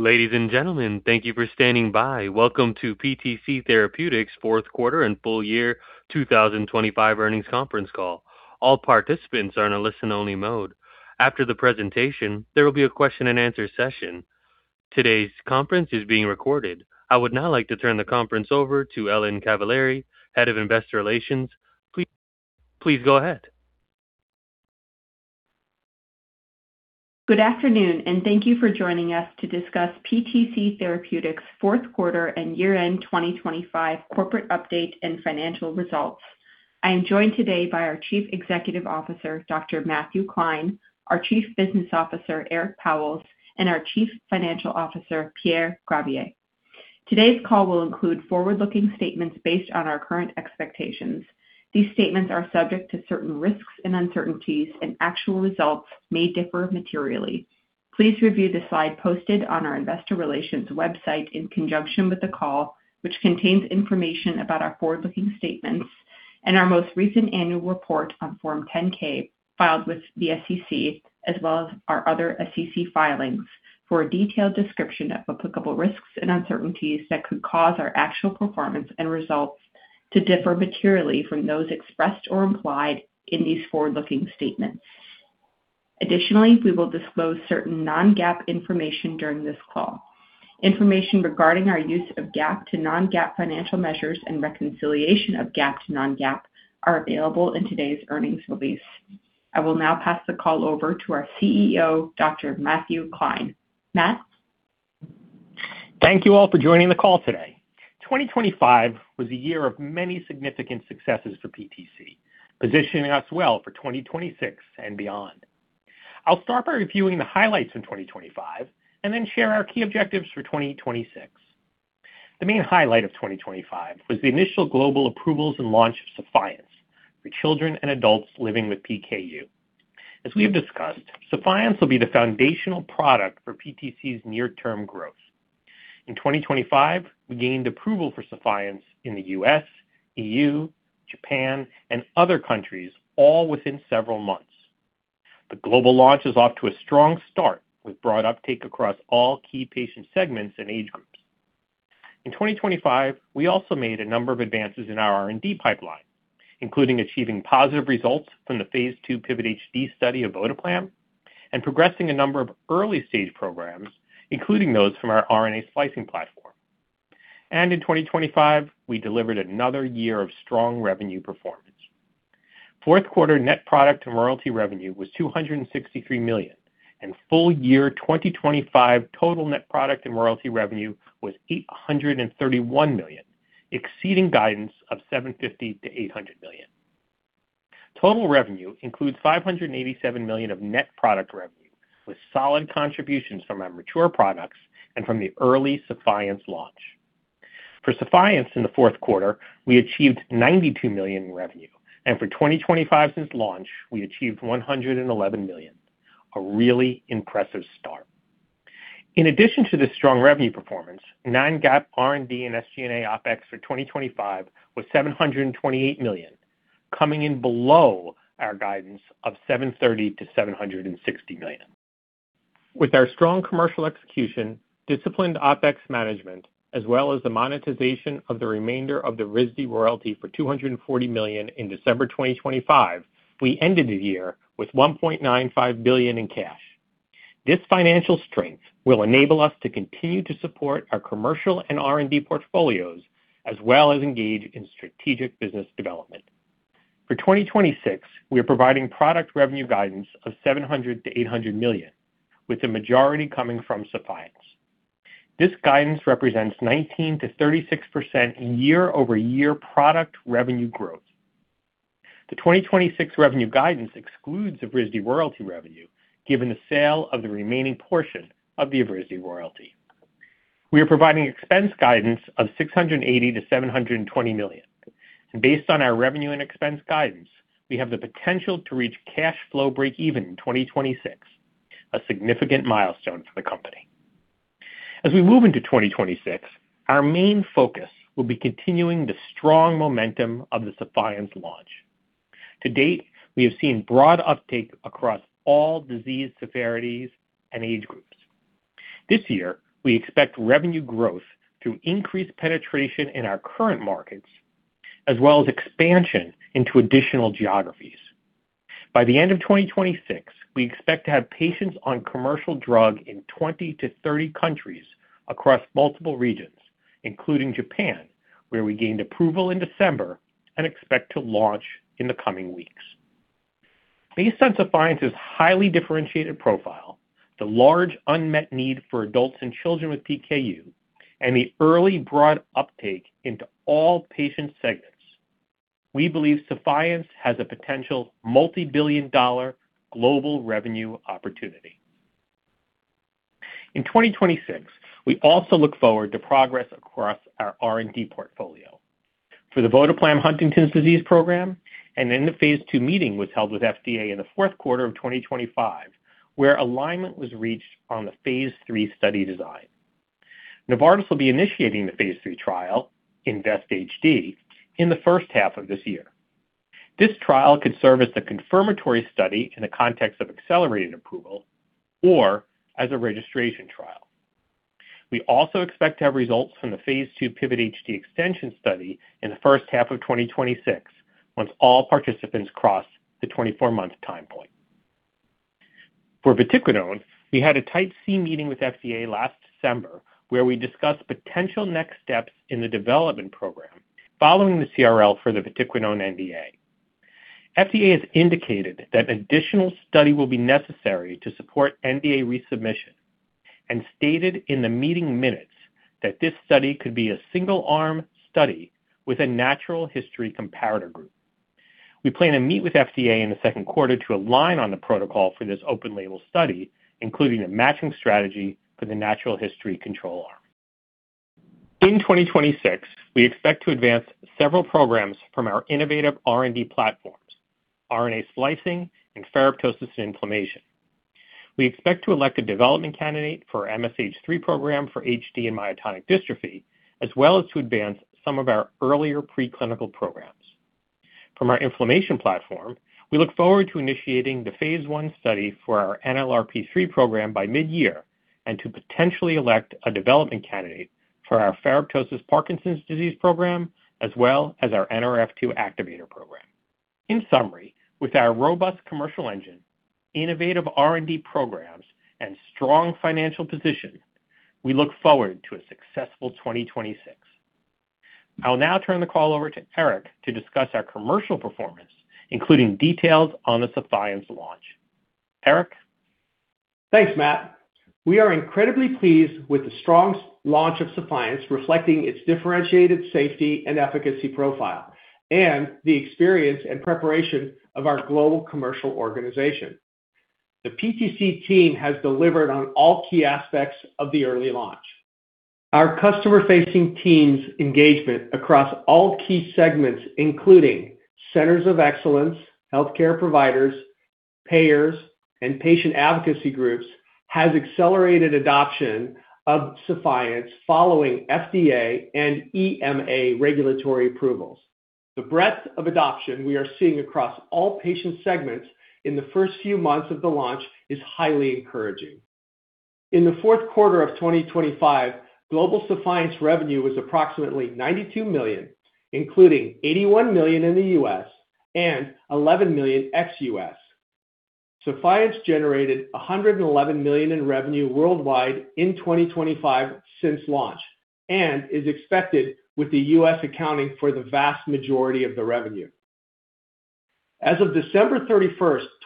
Ladies and gentlemen, thank you for standing by. Welcome to PTC Therapeutics' fourth quarter and full year 2025 earnings conference call. All participants are in a listen-only mode. After the presentation, there will be a question-and-answer session. Today's conference is being recorded. I would now like to turn the conference over to Ellen Cavaleri, Head of Investor Relations. Please, please go ahead. Good afternoon, and thank you for joining us to discuss PTC Therapeutics' fourth quarter and year-end 2025 corporate update and financial results. I am joined today by our Chief Executive Officer, Dr. Matthew Klein, our Chief Business Officer, Eric Pauwels, and our Chief Financial Officer, Pierre Gravier. Today's call will include forward-looking statements based on our current expectations. These statements are subject to certain risks and uncertainties, and actual results may differ materially. Please review the slide posted on our investor relations website in conjunction with the call, which contains information about our forward-looking statements and our most recent annual report on Form 10-K, filed with the SEC, as well as our other SEC filings for a detailed description of applicable risks and uncertainties that could cause our actual performance and results to differ materially from those expressed or implied in these forward-looking statements. Additionally, we will disclose certain non-GAAP information during this call. Information regarding our use of GAAP to non-GAAP financial measures and reconciliation of GAAP to non-GAAP are available in today's earnings release. I will now pass the call over to our CEO, Dr. Matthew Klein. Matt? Thank you all for joining the call today. 2025 was a year of many significant successes for PTC, positioning us well for 2026 and beyond. I'll start by reviewing the highlights in 2025 and then share our key objectives for 2026. The main highlight of 2025 was the initial global approvals and launch of Sephience for children and adults living with PKU. As we have discussed, Sephience will be the foundational product for PTC's near-term growth. In 2025, we gained approval for Sephience in the U.S., E.U., Japan, and other countries, all within several months. The global launch is off to a strong start, with broad uptake across all key patient segments and age groups. In 2025, we also made a number of advances in our R&D pipeline, including achieving positive results from the phase II PIVOT-HD study of Votoplam and progressing a number of early-stage programs, including those from our RNA splicing platform. In 2025, we delivered another year of strong revenue performance. Fourth quarter net product and royalty revenue was $263 million, and full-year 2025 total net product and royalty revenue was $831 million, exceeding guidance of $750 million-$800 million. Total revenue includes $587 million of net product revenue, with solid contributions from our mature products and from the early Sephience launch. For Sephience in the fourth quarter, we achieved $92 million in revenue, and for 2025 since launch, we achieved $111 million. A really impressive start. In addition to this strong revenue performance, non-GAAP R&D and SG&A OpEx for 2025 was $728 million, coming in below our guidance of $730 million-$760 million. With our strong commercial execution, disciplined OpEx management, as well as the monetization of the remainder of the Evrysdi royalty for $240 million in December 2025, we ended the year with $1.95 billion in cash. This financial strength will enable us to continue to support our commercial and R&D portfolios, as well as engage in strategic business development. For 2026, we are providing product revenue guidance of $700 million-$800 million, with the majority coming from Sephience. This guidance represents 19%-36% year-over-year product revenue growth. The 2026 revenue guidance excludes the Evrysdi royalty revenue, given the sale of the remaining portion of the Evrysdi royalty. We are providing expense guidance of $680 million-$720 million. Based on our revenue and expense guidance, we have the potential to reach cash flow break even in 2026, a significant milestone for the company. As we move into 2026, our main focus will be continuing the strong momentum of the Sephience launch. To date, we have seen broad uptake across all disease severities and age groups. This year, we expect revenue growth through increased penetration in our current markets, as well as expansion into additional geographies. By the end of 2026, we expect to have patients on commercial drug in 20-30 countries across multiple regions, including Japan, where we gained approval in December and expect to launch in the coming weeks. Based on Sephience's highly differentiated profile, the large unmet need for adults and children with PKU, and the early broad uptake into all patient segments, we believe Sephience has a potential multi-billion dollar global revenue opportunity. In 2026, we also look forward to progress across our R&D portfolio. For the Votoplam Huntington's disease program, an end-of-phase II meeting was held with FDA in the fourth quarter of 2025, where alignment was reached on the phase III study design. Novartis will be initiating the phase III trial, INVEST-HD, in the first half of this year. This trial could serve as a confirmatory study in the context of accelerated approval or as a registration trial. We also expect to have results from the phase II PIVOT-HD extension study in the first half of 2026, once all participants cross the 24-month time point. For Vatiquinone, we had a Type C meeting with FDA last December, where we discussed potential next steps in the development program following the CRL for the Vatiquinone NDA. FDA has indicated that additional study will be necessary to support NDA resubmission and stated in the meeting minutes that this study could be a single-arm study with a natural history comparator group. We plan to meet with FDA in the second quarter to align on the protocol for this open-label study, including a matching strategy for the natural history control arm. In 2026, we expect to advance several programs from our innovative R&D platforms, RNA splicing and ferroptosis inflammation. We expect to elect a development candidate for MSH3 program for HD and myotonic dystrophy, as well as to advance some of our earlier preclinical programs. From our inflammation platform, we look forward to initiating the phase I study for our NLRP3 program by mid-year and to potentially elect a development candidate for our ferroptosis Parkinson's disease program, as well as our Nrf2 activator program. In summary, with our robust commercial engine, innovative R&D programs, and strong financial position, we look forward to a successful 2026. I'll now turn the call over to Eric to discuss our commercial performance, including details on the Sephience launch. Eric? Thanks, Matt. We are incredibly pleased with the strong launch of Sephience, reflecting its differentiated safety and efficacy profile and the experience and preparation of our global commercial organization. The PTC team has delivered on all key aspects of the early launch. Our customer-facing teams' engagement across all key segments, including centers of excellence, healthcare providers, payers, and patient advocacy groups, has accelerated adoption of Sephience following FDA and EMA regulatory approvals. The breadth of adoption we are seeing across all patient segments in the first few months of the launch is highly encouraging. In the fourth quarter of 2025, global Sephience revenue was approximately $92 million, including $81 million in the U.S. and $11 million ex-U.S. Sephience generated $111 million in revenue worldwide in 2025 since launch, and is expected, with the U.S. accounting for the vast majority of the revenue. As of December 31,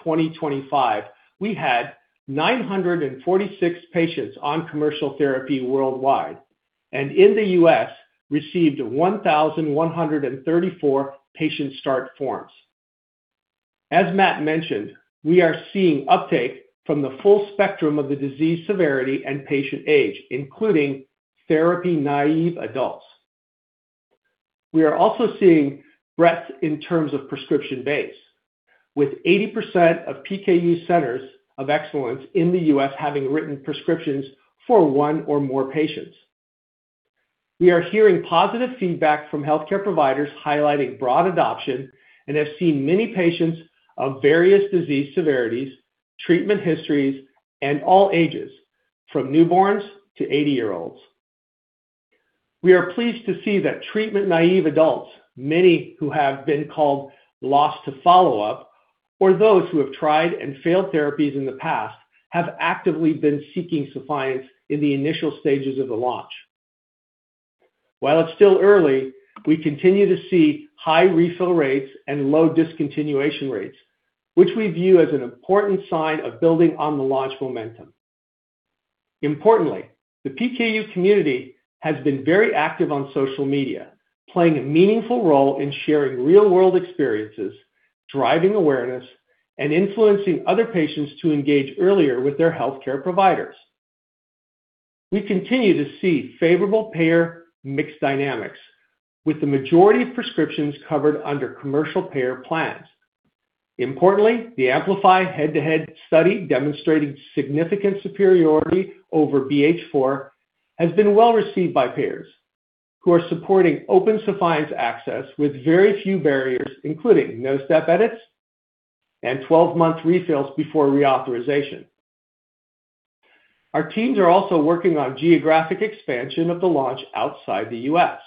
2025, we had 946 patients on commercial therapy worldwide, and in the U.S., received 1,134 patient start forms. As Matt mentioned, we are seeing uptake from the full spectrum of the disease severity and patient age, including therapy-naive adults. We are also seeing breadth in terms of prescription base, with 80% of PKU Centers of Excellence in the U.S. having written prescriptions for one or more patients. We are hearing positive feedback from healthcare providers highlighting broad adoption and have seen many patients of various disease severities, treatment histories, and all ages, from newborns to eighty-year-olds. We are pleased to see that treatment-naive adults, many who have been called lost to follow-up or those who have tried and failed therapies in the past, have actively been seeking Sephience in the initial stages of the launch. While it's still early, we continue to see high refill rates and low discontinuation rates, which we view as an important sign of building on the launch momentum. Importantly, the PKU community has been very active on social media, playing a meaningful role in sharing real-world experiences, driving awareness, and influencing other patients to engage earlier with their healthcare providers. We continue to see favorable payer mix dynamics, with the majority of prescriptions covered under commercial payer plans. Importantly, the AMPLIFY head-to-head study, demonstrating significant superiority over BH4, has been well received by payers, who are supporting open Sephience access with very few barriers, including no step edits and 12-month refills before reauthorization. Our teams are also working on geographic expansion of the launch outside the U.S.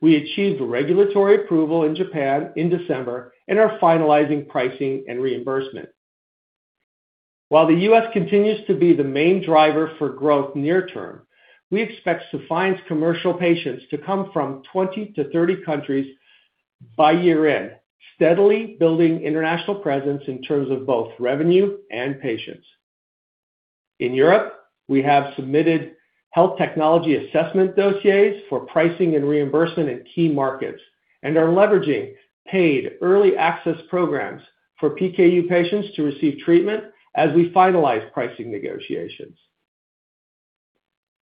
We achieved regulatory approval in Japan in December and are finalizing pricing and reimbursement. While the U.S. continues to be the main driver for growth near term, we expect Sephience commercial patients to come from 20-30 countries by year-end, steadily building international presence in terms of both revenue and patients. In Europe, we have submitted health technology assessment dossiers for pricing and reimbursement in key markets and are leveraging paid early access programs for PKU patients to receive treatment as we finalize pricing negotiations.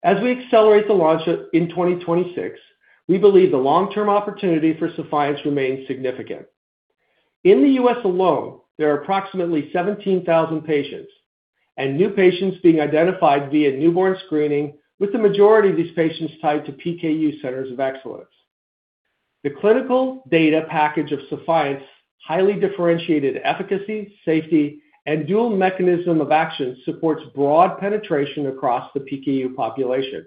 As we accelerate the launch in 2026, we believe the long-term opportunity for Sephience remains significant. In the U.S. alone, there are approximately 17,000 patients... and new patients being identified via newborn screening, with the majority of these patients tied to PKU centers of excellence. The clinical data package of Sephience, highly differentiated efficacy, safety, and dual mechanism of action supports broad penetration across the PKU population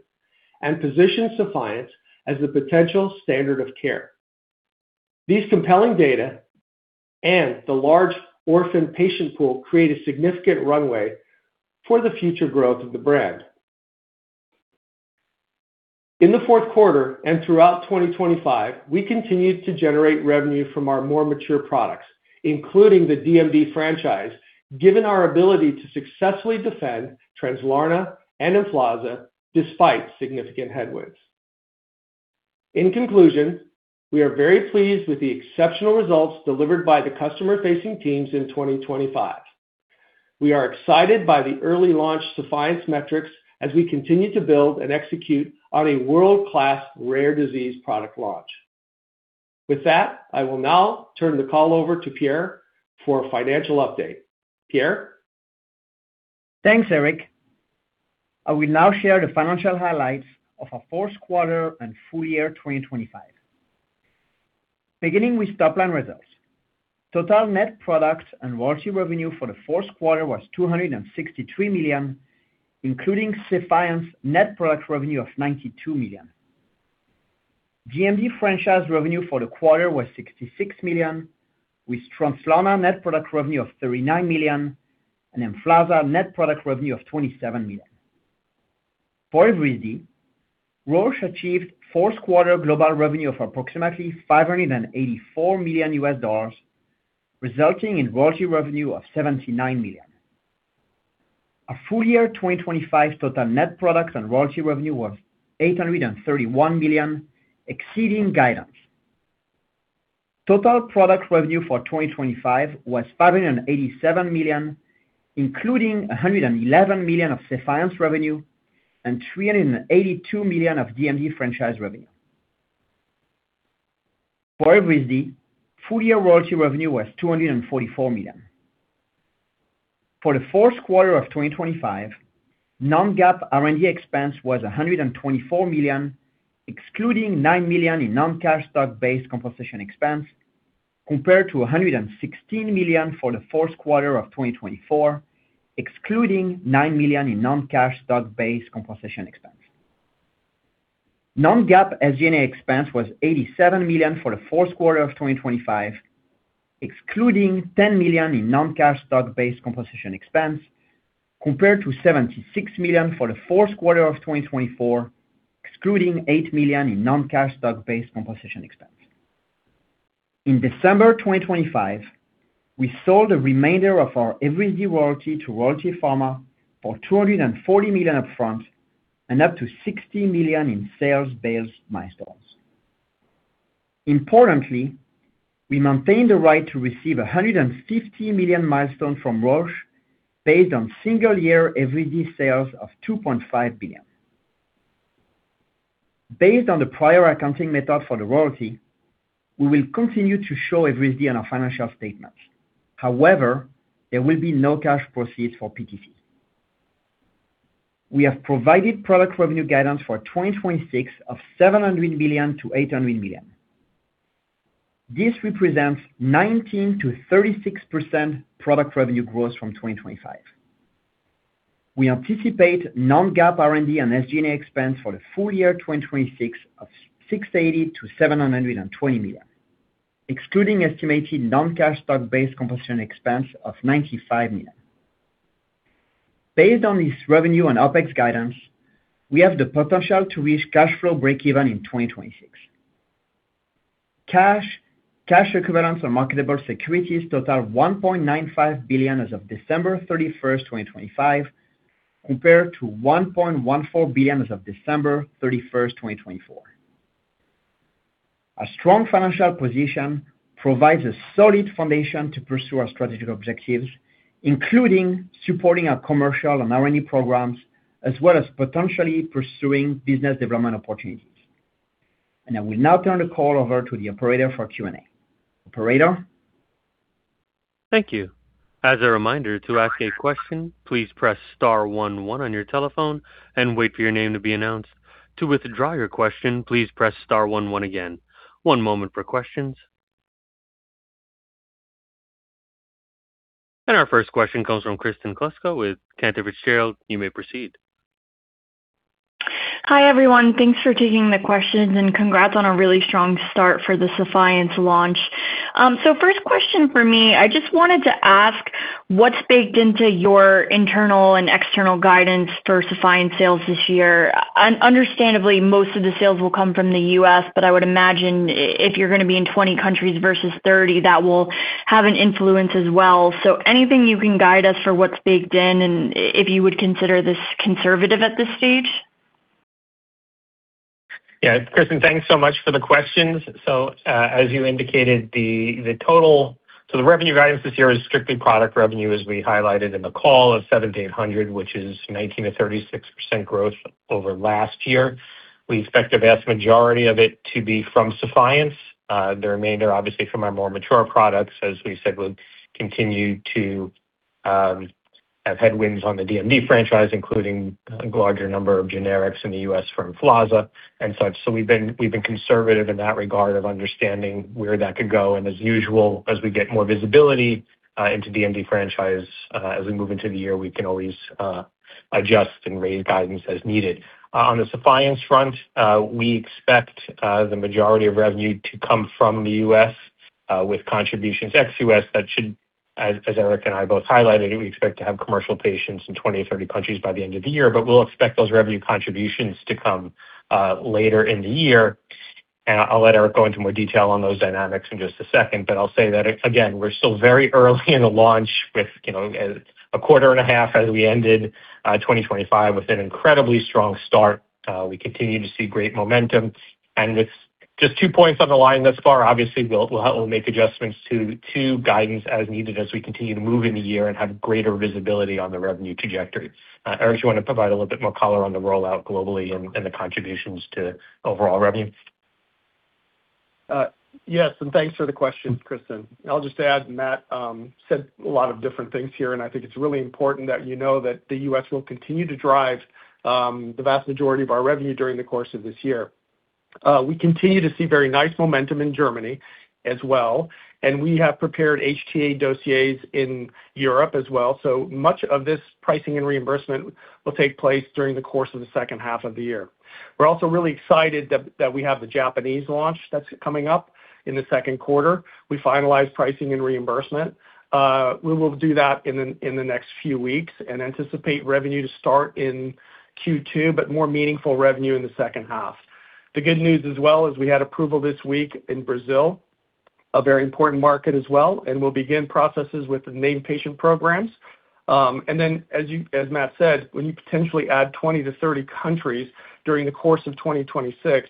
and positions Sephience as the potential standard of care. These compelling data and the large orphan patient pool create a significant runway for the future growth of the brand. In the fourth quarter and throughout 2025, we continued to generate revenue from our more mature products, including the DMD franchise, given our ability to successfully defend Translarna and Emflaza despite significant headwinds. In conclusion, we are very pleased with the exceptional results delivered by the customer-facing teams in 2025. We are excited by the early launch Sephience metrics as we continue to build and execute on a world-class rare disease product launch. With that, I will now turn the call over to Pierre for a financial update. Pierre? Thanks, Eric. I will now share the financial highlights of our fourth quarter and full year 2025. Beginning with top-line results. Total net product and royalty revenue for the fourth quarter was $263 million, including Sephience net product revenue of $92 million. DMD franchise revenue for the quarter was $66 million, with Translarna net product revenue of $39 million and Emflaza net product revenue of $27 million. For Evrysdi, Roche achieved fourth quarter global revenue of approximately $584 million, resulting in royalty revenue of $79 million. Our full year 2025 total net products and royalty revenue was $831 million, exceeding guidance. Total product revenue for 2025 was $587 million, including $111 million of Sephience revenue and $382 million of DMD franchise revenue. For Evrysdi, full-year royalty revenue was $244 million. For the fourth quarter of 2025, non-GAAP R&D expense was $124 million, excluding $9 million in non-cash stock-based compensation expense, compared to $116 million for the fourth quarter of 2024, excluding $9 million in non-cash stock-based compensation expense. Non-GAAP SG&A expense was $87 million for the fourth quarter of 2025, excluding $10 million in non-cash stock-based compensation expense, compared to $76 million for the fourth quarter of 2024, excluding $8 million in non-cash stock-based compensation expense. In December 2025, we sold the remainder of our Evrysdi royalty to Royalty Pharma for $240 million upfront and up to $60 million in sales-based milestones. Importantly, we maintain the right to receive $150 million milestone from Roche, based on single-year Evrysdi sales of $2.5 billion. Based on the prior accounting method for the royalty, we will continue to show Evrysdi on our financial statements. However, there will be no cash proceeds for PTC. We have provided product revenue guidance for 2026 of $700 million-$800 million. This represents 19%-36% product revenue growth from 2025. We anticipate non-GAAP R&D and SG&A expense for the full year 2026 of $680 million-$720 million, excluding estimated non-cash stock-based compensation expense of $95 million. Based on this revenue and OpEx guidance, we have the potential to reach cash flow breakeven in 2026. Cash, cash equivalents, and marketable securities total $1.95 billion as of December 31, 2025, compared to $1.14 billion as of December 31, 2024. A strong financial position provides a solid foundation to pursue our strategic objectives, including supporting our commercial and R&D programs, as well as potentially pursuing business development opportunities. I will now turn the call over to the operator for Q&A. Operator? Thank you. As a reminder, to ask a question, please press star one one on your telephone and wait for your name to be announced. To withdraw your question, please press star one one again. One moment for questions. Our first question comes from Kristen Kluska with Cantor Fitzgerald. You may proceed. Hi, everyone. Thanks for taking the questions and congrats on a really strong start for the Sephience launch. So first question for me, I just wanted to ask what's baked into your internal and external guidance for Sephience sales this year? Understandably, most of the sales will come from the U.S., but I would imagine if you're going to be in 20 countries versus 30, that will have an influence as well. So anything you can guide us for what's baked in, and if you would consider this conservative at this stage? Yeah, Kristen, thanks so much for the questions. As you indicated, the total—the revenue guidance this year is strictly product revenue, as we highlighted in the call, of $700 million-$800 million, which is 19%-36% growth over last year. We expect the vast majority of it to be from Sephience. The remainder, obviously, from our more mature products, as we said, we'll continue to— Have headwinds on the DMD franchise, including a larger number of generics in the U.S. from Emflaza and such. So we've been conservative in that regard of understanding where that could go, and as usual, as we get more visibility into DMD franchise, as we move into the year, we can always adjust and raise guidance as needed. On the Sephience front, we expect the majority of revenue to come from the U.S., with contributions ex-U.S. That should, as Eric and I both highlighted, we expect to have commercial patients in 20-30 countries by the end of the year, but we'll expect those revenue contributions to come later in the year. And I'll let Eric go into more detail on those dynamics in just a second. But I'll say that, again, we're still very early in the launch, with, you know, a quarter and a half as we ended 2025 with an incredibly strong start. We continue to see great momentum. And with just two points on the line thus far, obviously, we'll make adjustments to guidance as needed as we continue to move in the year and have greater visibility on the revenue trajectory. Eric, do you want to provide a little bit more color on the rollout globally and the contributions to overall revenue? Yes, and thanks for the question, Kristen. I'll just add, Matt said a lot of different things here, and I think it's really important that you know that the U.S. will continue to drive the vast majority of our revenue during the course of this year. We continue to see very nice momentum in Germany as well, and we have prepared HTA dossiers in Europe as well. So much of this pricing and reimbursement will take place during the course of the second half of the year. We're also really excited that we have the Japanese launch that's coming up in the second quarter. We finalize pricing and reimbursement. We will do that in the next few weeks and anticipate revenue to start in Q2, but more meaningful revenue in the second half. The good news as well is we had approval this week in Brazil, a very important market as well, and we'll begin processes with the named patient programs. And then, as Matt said, when you potentially add 20-30 countries during the course of 2026,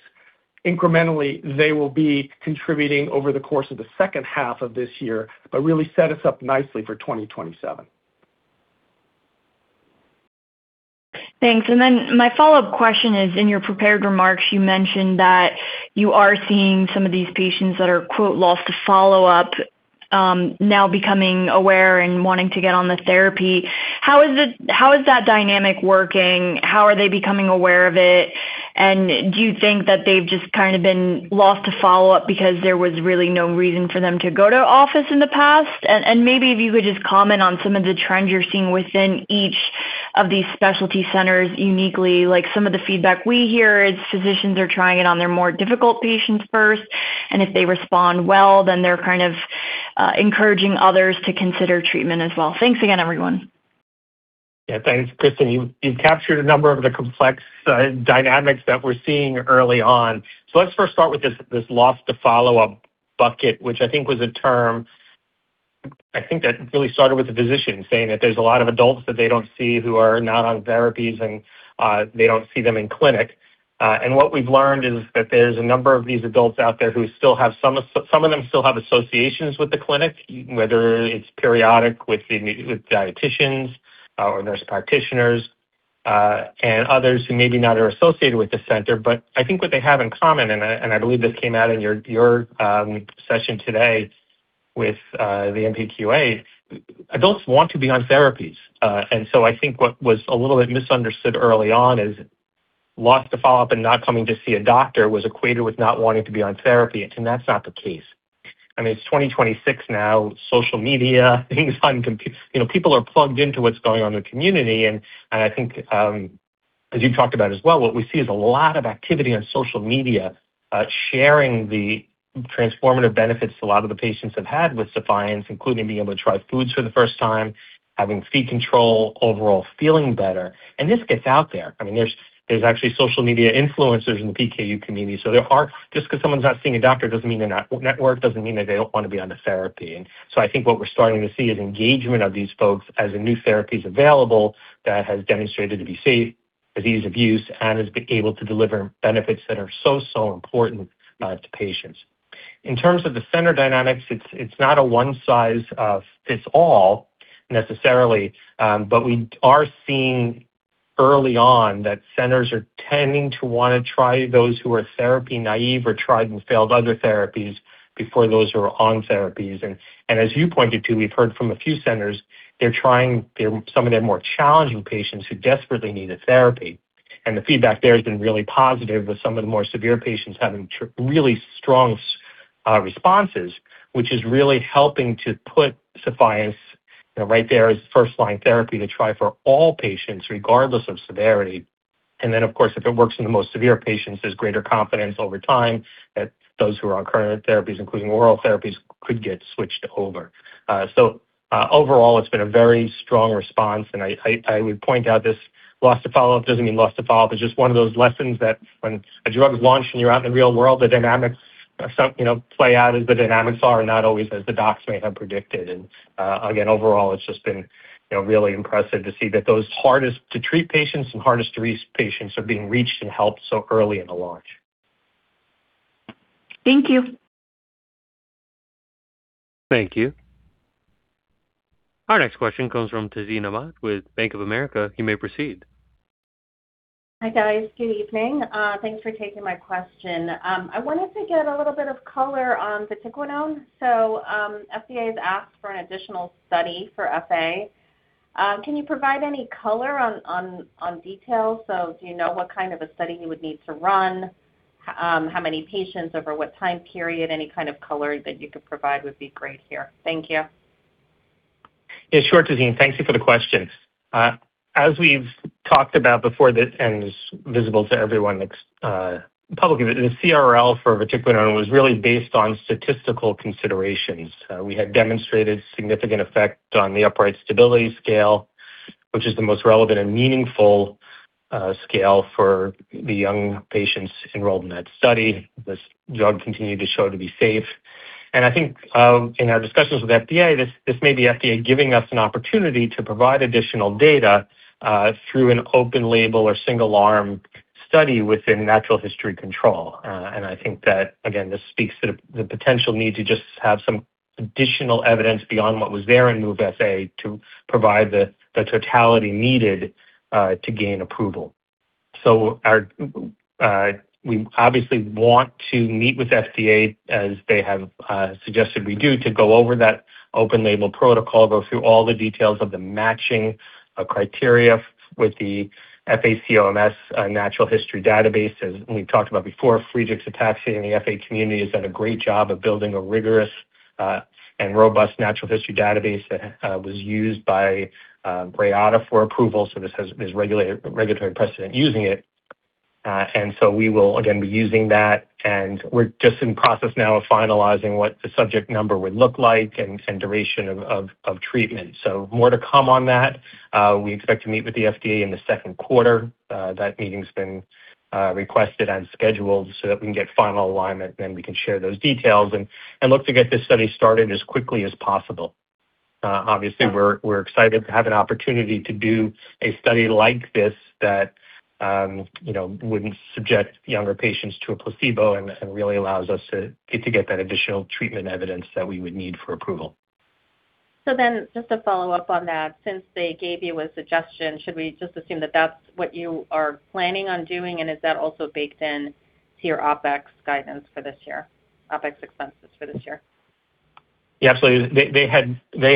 incrementally they will be contributing over the course of the second half of this year, but really set us up nicely for 2027. Thanks. And then my follow-up question is, in your prepared remarks, you mentioned that you are seeing some of these patients that are, quote, "lost to follow-up," now becoming aware and wanting to get on the therapy. How is that dynamic working? How are they becoming aware of it? And do you think that they've just kind of been lost to follow-up because there was really no reason for them to go to office in the past? And maybe if you could just comment on some of the trends you're seeing within each of these specialty centers uniquely. Like, some of the feedback we hear is physicians are trying it on their more difficult patients first, and if they respond well, then they're kind of encouraging others to consider treatment as well. Thanks again, everyone. Yeah, thanks, Kristen. You've captured a number of the complex dynamics that we're seeing early on. So let's first start with this lost to follow-up bucket, which I think was a term that really started with the physician saying that there's a lot of adults that they don't see who are not on therapies and they don't see them in clinic. And what we've learned is that there's a number of these adults out there who still have some—some of them still have associations with the clinic, whether it's periodic with the dieticians or nurse practitioners, and others who maybe not are associated with the center. But I think what they have in common, and I believe this came out in your session today with the PKU Q&A, adults want to be on therapies. and so I think what was a little bit misunderstood early on is lost to follow-up and not coming to see a doctor was equated with not wanting to be on therapy, and that's not the case. I mean, it's 2026 now, social media, things on computers, you know, people are plugged into what's going on in the community. And, and I think, as you talked about as well, what we see is a lot of activity on social media, sharing the transformative benefits a lot of the patients have had with Sephience, including being able to try foods for the first time, having Phe control, overall feeling better. And this gets out there. I mean, there's, there's actually social media influencers in the PKU community. So there are. Just because someone's not seeing a doctor doesn't mean they're not in network, doesn't mean that they don't want to be on the therapy. And so I think what we're starting to see is engagement of these folks as a new therapy is available that has demonstrated to be safe, disease modifying and has been able to deliver benefits that are so, so important to patients. In terms of the center dynamics, it's not a one size fits all necessarily, but we are seeing early on that centers are tending to wanna try those who are therapy naive or tried and failed other therapies before those who are on therapies. And as you pointed to, we've heard from a few centers, they're trying them, some of their more challenging patients who desperately need a therapy. And the feedback there has been really positive, with some of the more severe patients having really strong responses, which is really helping to put Sephience, you know, right there as first-line therapy to try for all patients, regardless of severity. And then, of course, if it works in the most severe patients, there's greater confidence over time that those who are on current therapies, including oral therapies, could get switched over. So, overall, it's been a very strong response, and I would point out this loss to follow-up doesn't mean loss to follow-up. It's just one of those lessons that when a drug is launched and you're out in the real world, the dynamics, some, you know, play out as the dynamics are, and not always as the docs may have predicted. Again, overall, it's just been, you know, really impressive to see that those hardest-to-treat patients and hardest-to-reach patients are being reached and helped so early in the launch. Thank you. Thank you. Our next question comes from Tazeen Ahmad with Bank of America. You may proceed. Hi, guys. Good evening. Thanks for taking my question. I wanted to get a little bit of color on Vatiquinone. So, FDA has asked for an additional study for FA. Can you provide any color on details? So do you know what kind of a study you would need to run? How many patients, over what time period? Any kind of color that you could provide would be great here. Thank you. Yeah, sure, Justine. Thank you for the questions. As we've talked about before, this end is visible to everyone, publicly, the CRL for Vatiquinone was really based on statistical considerations. We had demonstrated significant effect on the upright stability scale, which is the most relevant and meaningful, scale for the young patients enrolled in that study. This drug continued to show to be safe. And I think, in our discussions with FDA, this, this may be FDA giving us an opportunity to provide additional data, through an open label or single-arm study within natural history control. And I think that, again, this speaks to the, the potential need to just have some additional evidence beyond what was there in MOVE-FA to provide the, the totality needed, to gain approval. So we obviously want to meet with FDA, as they have suggested we do, to go over that open label protocol, go through all the details of the matching criteria with the FA-COMS natural history database. As we've talked about before, Friedreich's ataxia in the FA community has done a great job of building a rigorous and robust natural history database that was used by Reata for approval. So this has regulatory precedent using it. And so we will again be using that, and we're just in process now of finalizing what the subject number would look like and duration of treatment. So more to come on that. We expect to meet with the FDA in the second quarter. That meeting's been requested and scheduled so that we can get final alignment, then we can share those details and look to get this study started as quickly as possible. Obviously, we're excited to have an opportunity to do a study like this that, you know, wouldn't subject younger patients to a placebo and really allows us to get that additional treatment evidence that we would need for approval. Just to follow up on that, since they gave you a suggestion, should we just assume that that's what you are planning on doing, and is that also baked in to your OpEx guidance for this year, OpEx expenses for this year? Yeah, absolutely. They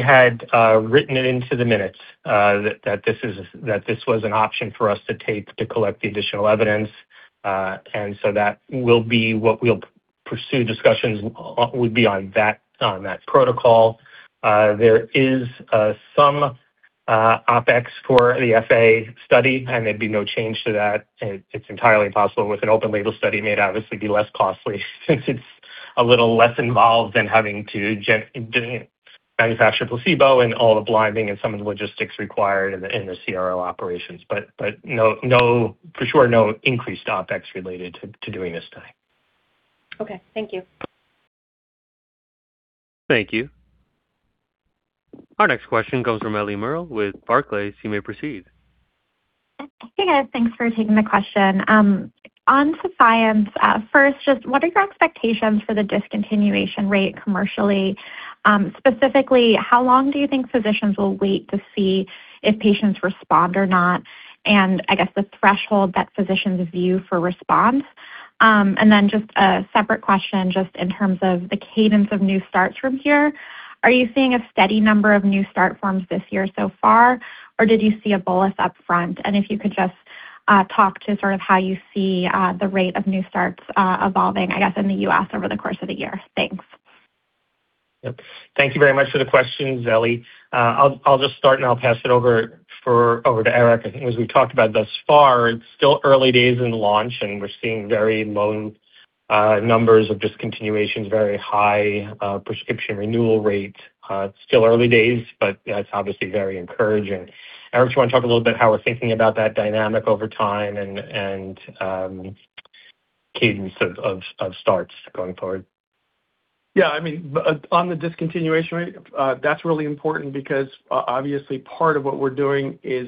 had written it into the minutes that this was an option for us to take to collect the additional evidence. And so that will be what we'll pursue discussions on, that protocol. There is some OpEx for the FA study, and there'd be no change to that. It's entirely possible with an open label study, it may obviously be less costly since it's a little less involved than having to manufacture placebo and all the blinding and some of the logistics required in the CRO operations. But no, for sure, no increased OpEx related to doing this study. Okay. Thank you. Thank you. Our next question comes from Ellie Merle with Barclays. You may proceed. Hey, guys. Thanks for taking the question. On Sephience, first, just what are your expectations for the discontinuation rate commercially? Specifically, how long do you think physicians will wait to see if patients respond or not, and I guess the threshold that physicians view for response? And then just a separate question, just in terms of the cadence of new starts from here, are you seeing a steady number of new start forms this year so far, or did you see a bolus up front? And if you could just talk to sort of how you see the rate of new starts evolving, I guess, in the U.S. over the course of the year. Thanks. Yep. Thank you very much for the questions, Ellie. I'll just start, and I'll pass it over to Eric. I think as we've talked about thus far, it's still early days in the launch, and we're seeing very low numbers of discontinuations, very high prescription renewal rate. It's still early days, but that's obviously very encouraging. Eric, do you want to talk a little bit how we're thinking about that dynamic over time and cadence of starts going forward? Yeah, I mean, on the discontinuation rate, that's really important because obviously, part of what we're doing is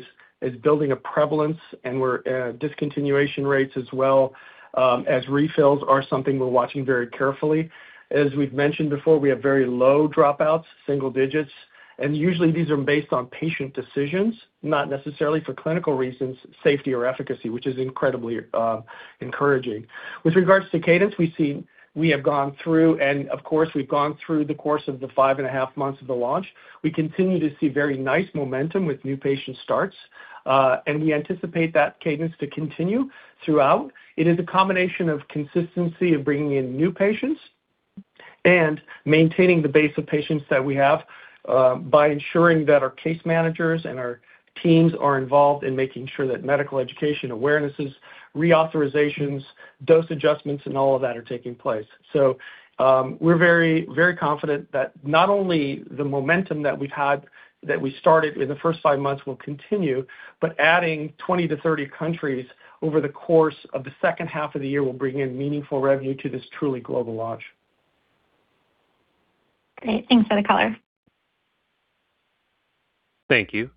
building a prevalence, and we're discontinuation rates as well, as refills are something we're watching very carefully. As we've mentioned before, we have very low dropouts, single digits. And usually these are based on patient decisions, not necessarily for clinical reasons, safety or efficacy, which is incredibly encouraging. With regards to cadence, we see we have gone through and, of course, we've gone through the course of the 5.5 months of the launch. We continue to see very nice momentum with new patient starts, and we anticipate that cadence to continue throughout. It is a combination of consistency of bringing in new patients and maintaining the base of patients that we have by ensuring that our case managers and our teams are involved in making sure that medical education, awarenesses, reauthorizations, dose adjustments, and all of that are taking place. So, we're very, very confident that not only the momentum that we've had, that we started in the first five months will continue, but adding 20-30 countries over the course of the second half of the year will bring in meaningful revenue to this truly global launch. Great. Thanks for the color. Thank you.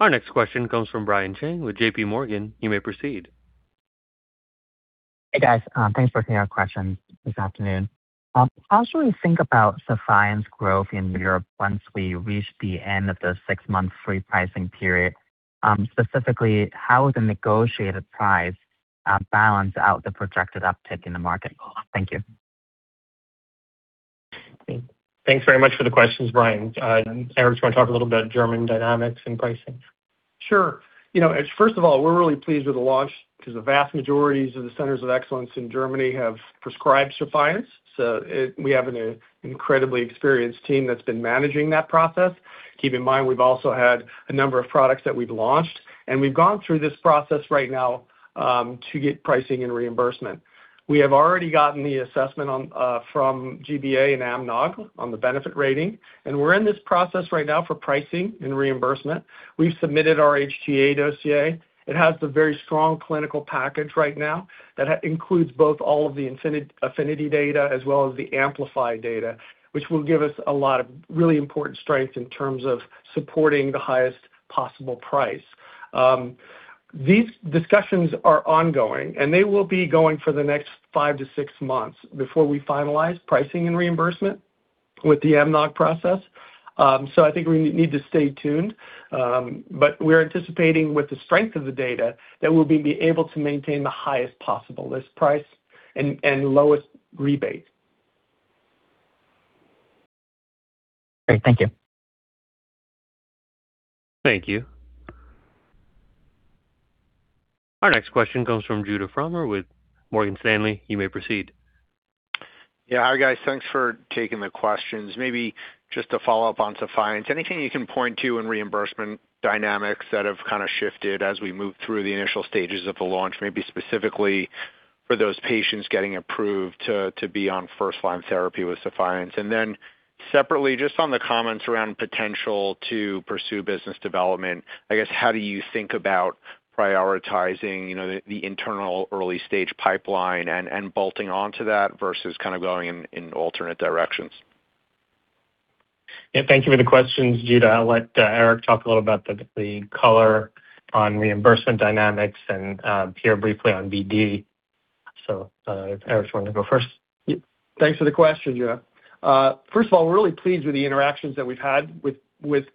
Our next question comes from Brian Cheng with J.P. Morgan. You may proceed. Hey, guys. Thanks for taking our questions this afternoon. How should we think about Sephience's growth in Europe once we reach the end of the six-month free pricing period? Specifically, how is the negotiated price balance out the projected uptick in the market? Thank you. Thanks very much for the questions, Brian. Eric, do you want to talk a little about German dynamics and pricing? Sure. You know, first of all, we're really pleased with the launch because the vast majority of the centers of excellence in Germany have prescribed Sephience. So we have an incredibly experienced team that's been managing that process. Keep in mind, we've also had a number of products that we've launched, and we've gone through this process right now to get pricing and reimbursement. We have already gotten the assessment on from G-BA and AMNOG on the benefit rating, and we're in this process right now for pricing and reimbursement. We've submitted our HTA dossier. It has a very strong clinical package right now that includes both all of the APHENITY data as well as the AMPLIFY data, which will give us a lot of really important strength in terms of supporting the highest possible price. These discussions are ongoing, and they will be going for the next five to six months before we finalize pricing and reimbursement with the AMNOG process. So I think we need to stay tuned. But we're anticipating with the strength of the data, that we'll be able to maintain the highest possible list price and, and lowest rebate. Great. Thank you. Thank you. Our next question comes from Judah Frommer with Morgan Stanley. You may proceed. Yeah. Hi, guys. Thanks for taking the questions. Maybe just to follow up on Sephience, anything you can point to in reimbursement dynamics that have kind of shifted as we move through the initial stages of the launch, maybe specifically for those patients getting approved to be on first-line therapy with Sephience? And then separately, just on the comments around potential to pursue business development, I guess, how do you think about prioritizing, you know, the internal early stage pipeline and bolting onto that versus kind of going in alternate directions? Yeah, thank you for the questions, Judah. I'll let Eric talk a little about the color on reimbursement dynamics and Pierre briefly on BD. So, Eric, you want to go first? Yep. Thanks for the question, Judah. First of all, we're really pleased with the interactions that we've had with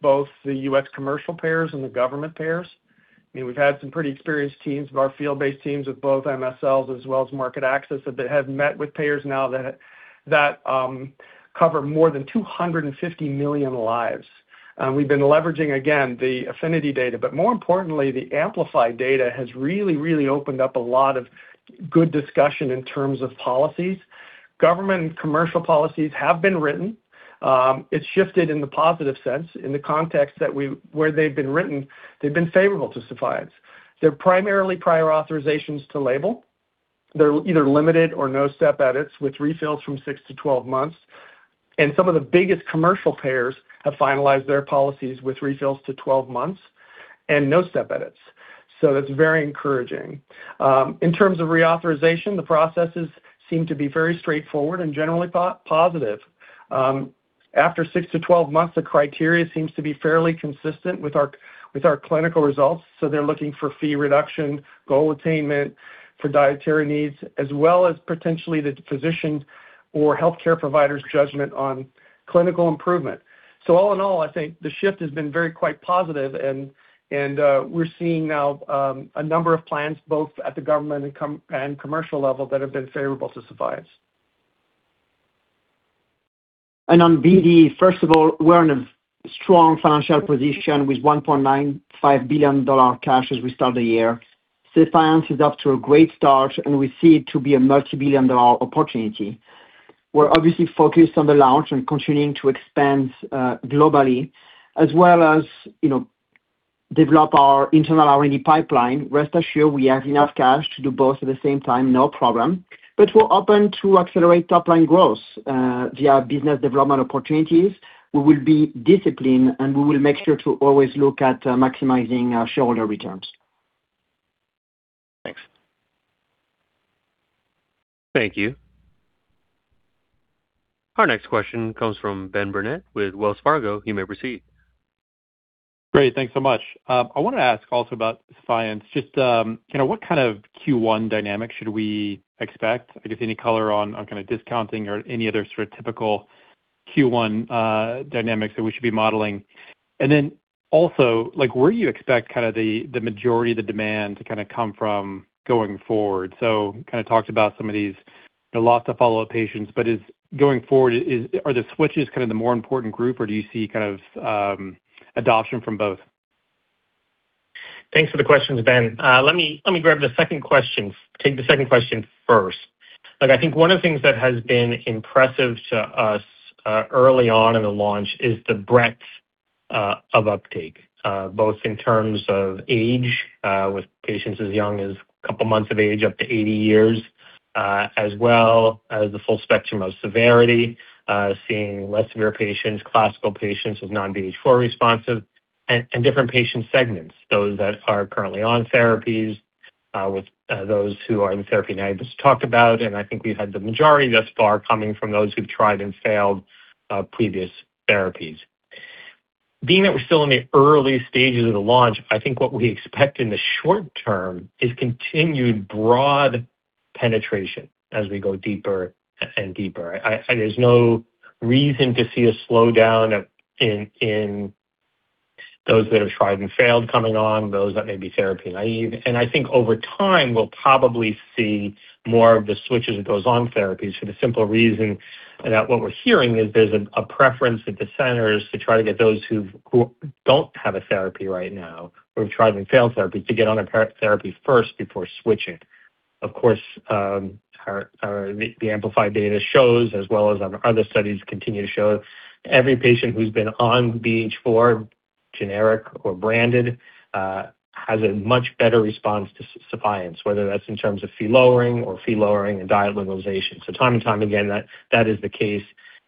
both the U.S. commercial payers and the government payers. I mean, we've had some pretty experienced teams of our field-based teams with both MSLs as well as market access, that have met with payers now that cover more than 250 million lives. We've been leveraging, again, the APHENITY data, but more importantly, the Amplify data has really, really opened up a lot of good discussion in terms of policies. Government and commercial policies have been written. It's shifted in the positive sense in the context that where they've been written, they've been favorable to Sephience. They're primarily prior authorizations to label. They're either limited or no step edits, with refills from six to 12 months, and some of the biggest commercial payers have finalized their policies with refills to 12 months and no step edits. So that's very encouraging. In terms of reauthorization, the processes seem to be very straightforward and generally positive. After six to 12 months, the criteria seems to be fairly consistent with our clinical results, so they're looking for fee reduction, goal attainment for dietary needs, as well as potentially the physician or healthcare provider's judgment on clinical improvement. So all in all, I think the shift has been very quite positive, and we're seeing now a number of plans, both at the government and commercial level, that have been favorable to Sephience. On BD, first of all, we're in a strong financial position with $1.95 billion cash as we start the year. Sephience is off to a great start, and we see it to be a multibillion-dollar opportunity. We're obviously focused on the launch and continuing to expand globally, as well as, you know, develop our internal R&D pipeline. Rest assured, we have enough cash to do both at the same time, no problem. But we're open to accelerate top-line growth via business development opportunities. We will be disciplined, and we will make sure to always look at maximizing our shareholder returns. Thanks. Thank you. Our next question comes from Ben Burnett with Wells Fargo. You may proceed. Great. Thanks so much. I wanted to ask also about Sephience, just, you know, what kind of Q1 dynamics should we expect? I guess, any color on, on kind of discounting or any other sort of typical Q1, dynamics that we should be modeling. And then also, like, where do you expect kind of the, the majority of the demand to kind of come from going forward? So kind of talked about some of these, the lots of follow-up patients, but is... going forward, are the switches kind of the more important group, or do you see kind of, adoption from both? Thanks for the questions, Ben. Let me grab the second question, take the second question first. Look, I think one of the things that has been impressive to us early on in the launch is the breadth of uptake both in terms of age with patients as young as a couple of months of age, up to 80 years, as well as the full spectrum of severity, seeing less severe patients, classical patients with non-BH4 responsive, and different patient segments, those that are currently on therapies with those who are therapy-naïve just talked about, and I think we've had the majority thus far coming from those who've tried and failed previous therapies. Being that we're still in the early stages of the launch, I think what we expect in the short term is continued broad penetration as we go deeper and deeper. I think there's no reason to see a slowdown in those that have tried and failed coming on, those that may be therapy naive. And I think over time, we'll probably see more of the switches that goes on therapies for the simple reason that what we're hearing is there's a preference at the centers to try to get those who don't have a therapy right now or have tried and failed therapy, to get on a therapy first before switching. Of course, our Amplify data shows, as well as other studies continue to show, every patient who's been on BH4, generic or branded, has a much better response to Sephience, whether that's in terms of phe lowering or phe lowering and diet liberalization. So time and time again, that, that is the case,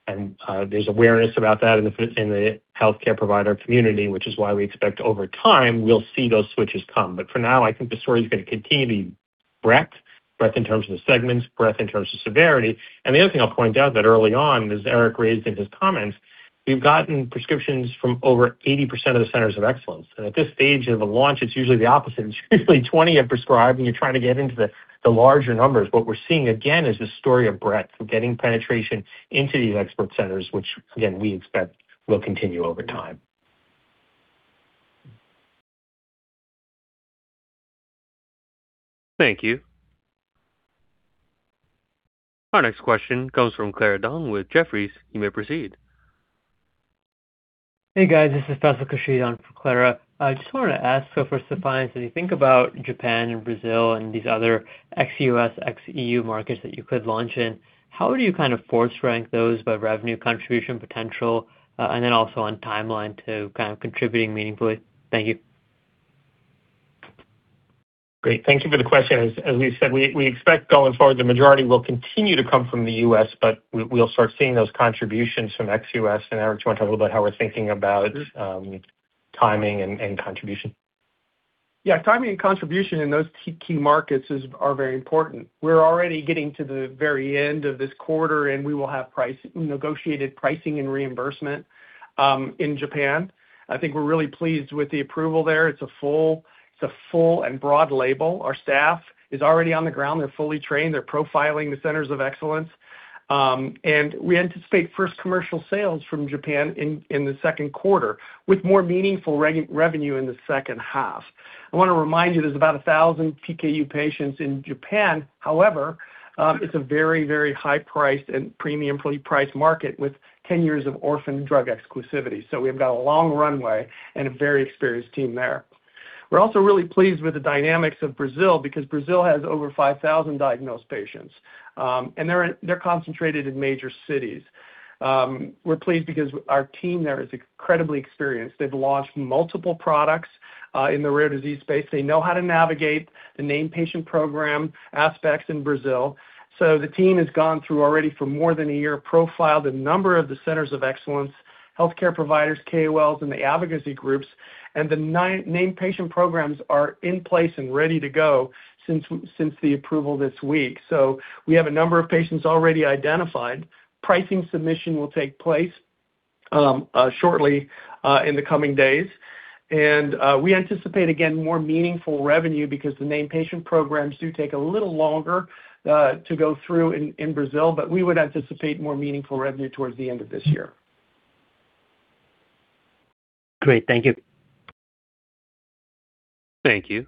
and, there's awareness about that in the field in the healthcare provider community, which is why we expect over time, we'll see those switches come. But for now, I think the story is gonna continue to be breadth. Breadth in terms of the segments, breadth in terms of severity. And the other thing I'll point out that early on, as Eric raised in his comments, we've gotten prescriptions from over 80% of the centers of excellence. And at this stage of the launch, it's usually the opposite. It's usually 20 have prescribed, and you're trying to get into the larger numbers. What we're seeing, again, is a story of breadth. We're getting penetration into these expert centers, which again, we expect will continue over time. Thank you. Our next question comes from Clara Dong with Jefferies. You may proceed. Hey, guys, this is Akash Kashi on for Clara. I just wanted to ask, for Sephience, as you think about Japan and Brazil and these other ex-U.S., ex-E.U. markets that you could launch in, how would you kind of force rank those by revenue contribution potential, and then also on timeline to kind of contributing meaningfully? Thank you. Great. Thank you for the question. As we've said, we expect going forward, the majority will continue to come from the U.S., but we'll start seeing those contributions from ex-U.S. And Eric, do you want to talk a little about how we're thinking about timing and contribution? Yeah, timing and contribution in those key markets is, are very important. We're already getting to the very end of this quarter, and we will have price, negotiated pricing and reimbursement in Japan. I think we're really pleased with the approval there. It's a full and broad label. Our staff is already on the ground. They're fully trained. They're profiling the centers of excellence. And we anticipate first commercial sales from Japan in the second quarter, with more meaningful revenue in the second half. I want to remind you, there's about 1,000 PKU patients in Japan. However, it's a very, very high price and premiumly priced market with 10 years of orphan drug exclusivity. So we've got a long runway and a very experienced team there. We're also really pleased with the dynamics of Brazil, because Brazil has over 5,000 diagnosed patients. They're concentrated in major cities. We're pleased because our team there is incredibly experienced. They've launched multiple products in the rare disease space. They know how to navigate the name patient program aspects in Brazil. The team has gone through already for more than a year, profiled a number of the centers of excellence, healthcare providers, KOLs, and the advocacy groups. The nine named patient programs are in place and ready to go since the approval this week. We have a number of patients already identified. Pricing submission will take place shortly, in the coming days. We anticipate, again, more meaningful revenue because the named patient programs do take a little longer to go through in Brazil, but we would anticipate more meaningful revenue towards the end of this year. Great. Thank you. Thank you.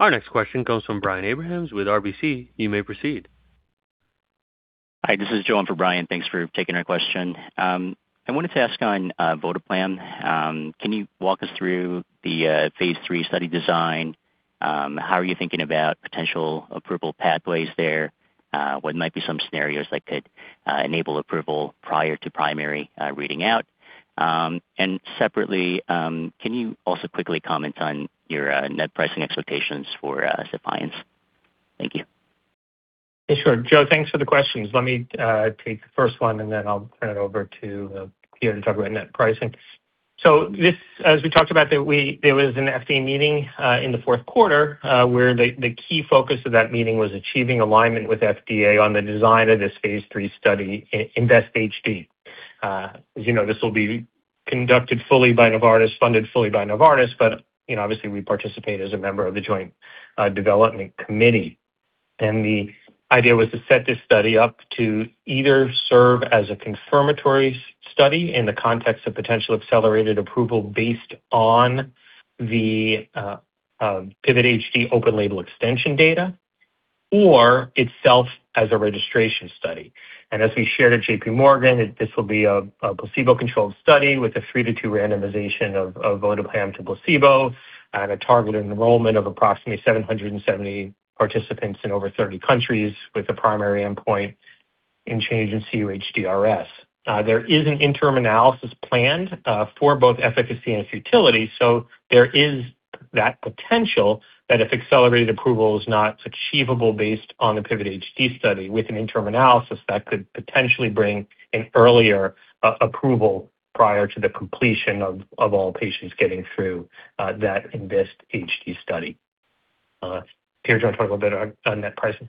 Our next question comes from Brian Abrahams with RBC. You may proceed. Hi, this is Joe on for Brian. Thanks for taking our question. I wanted to ask on, Votoplam. Can you walk us through the, phase III study design? How are you thinking about potential approval pathways there? What might be some scenarios that could, enable approval prior to primary, reading out? And separately, can you also quickly comment on your, net pricing expectations for, Sephience? Thank you. Yeah, sure. Joe, thanks for the questions. Let me take the first one, and then I'll turn it over to Pierre to talk about net pricing. So this... As we talked about, there was an FDA meeting in the fourth quarter where the key focus of that meeting was achieving alignment with FDA on the design of this phase III study in INVEST-HD. As you know, this will be conducted fully by Novartis, funded fully by Novartis, but you know, obviously, we participate as a member of the Joint Development Committee. And the idea was to set this study up to either serve as a confirmatory study in the context of potential accelerated approval based on the PIVOT-HD open label extension data, or itself as a registration study. And as we shared at J.P. Morgan, this will be a placebo-controlled study with a three to two randomization of Votoplam to placebo and a targeted enrollment of approximately 770 participants in over 30 countries with a primary endpoint in change in cUHDRS. There is an interim analysis planned for both efficacy and futility, so there is that potential that if accelerated approval is not achievable based on the PIVOT-HD study with an interim analysis, that could potentially bring an earlier approval prior to the completion of all patients getting through that INVEST-HD study. Pierre, do you want to talk a little bit on net pricing?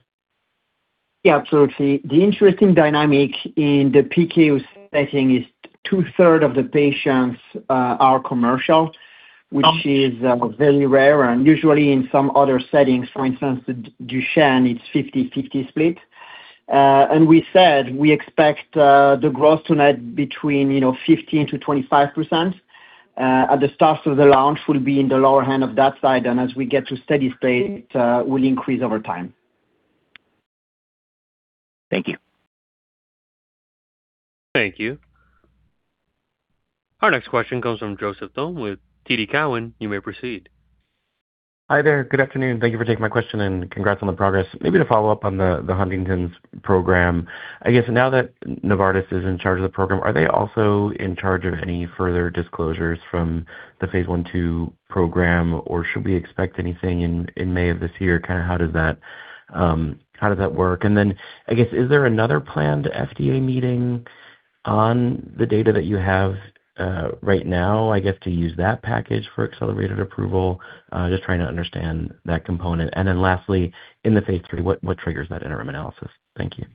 Yeah, absolutely. The interesting dynamic in the PKU setting is two-thirds of the patients are commercial, which is very rare. And usually in some other settings, for instance, the Duchenne, it's 50/50 split. And we said we expect the growth tonight between, you know, 15%-25%. At the start of the launch will be in the lower end of that side, and as we get to steady state will increase over time. Thank you. Thank you. Our next question comes from Joseph Thome with TD Cowen. You may proceed. Hi there. Good afternoon. Thank you for taking my question, and congrats on the progress. Maybe to follow up on the Huntington's program. I guess now that Novartis is in charge of the program, are they also in charge of any further disclosures from the phase I/II program, or should we expect anything in May of this year? Kinda how does that, how does that work? And then, I guess, is there another planned FDA meeting on the data that you have, right now, I guess, to use that package for accelerated approval? Just trying to understand that component. And then lastly, in the phase III, what triggers that interim analysis? Thank you.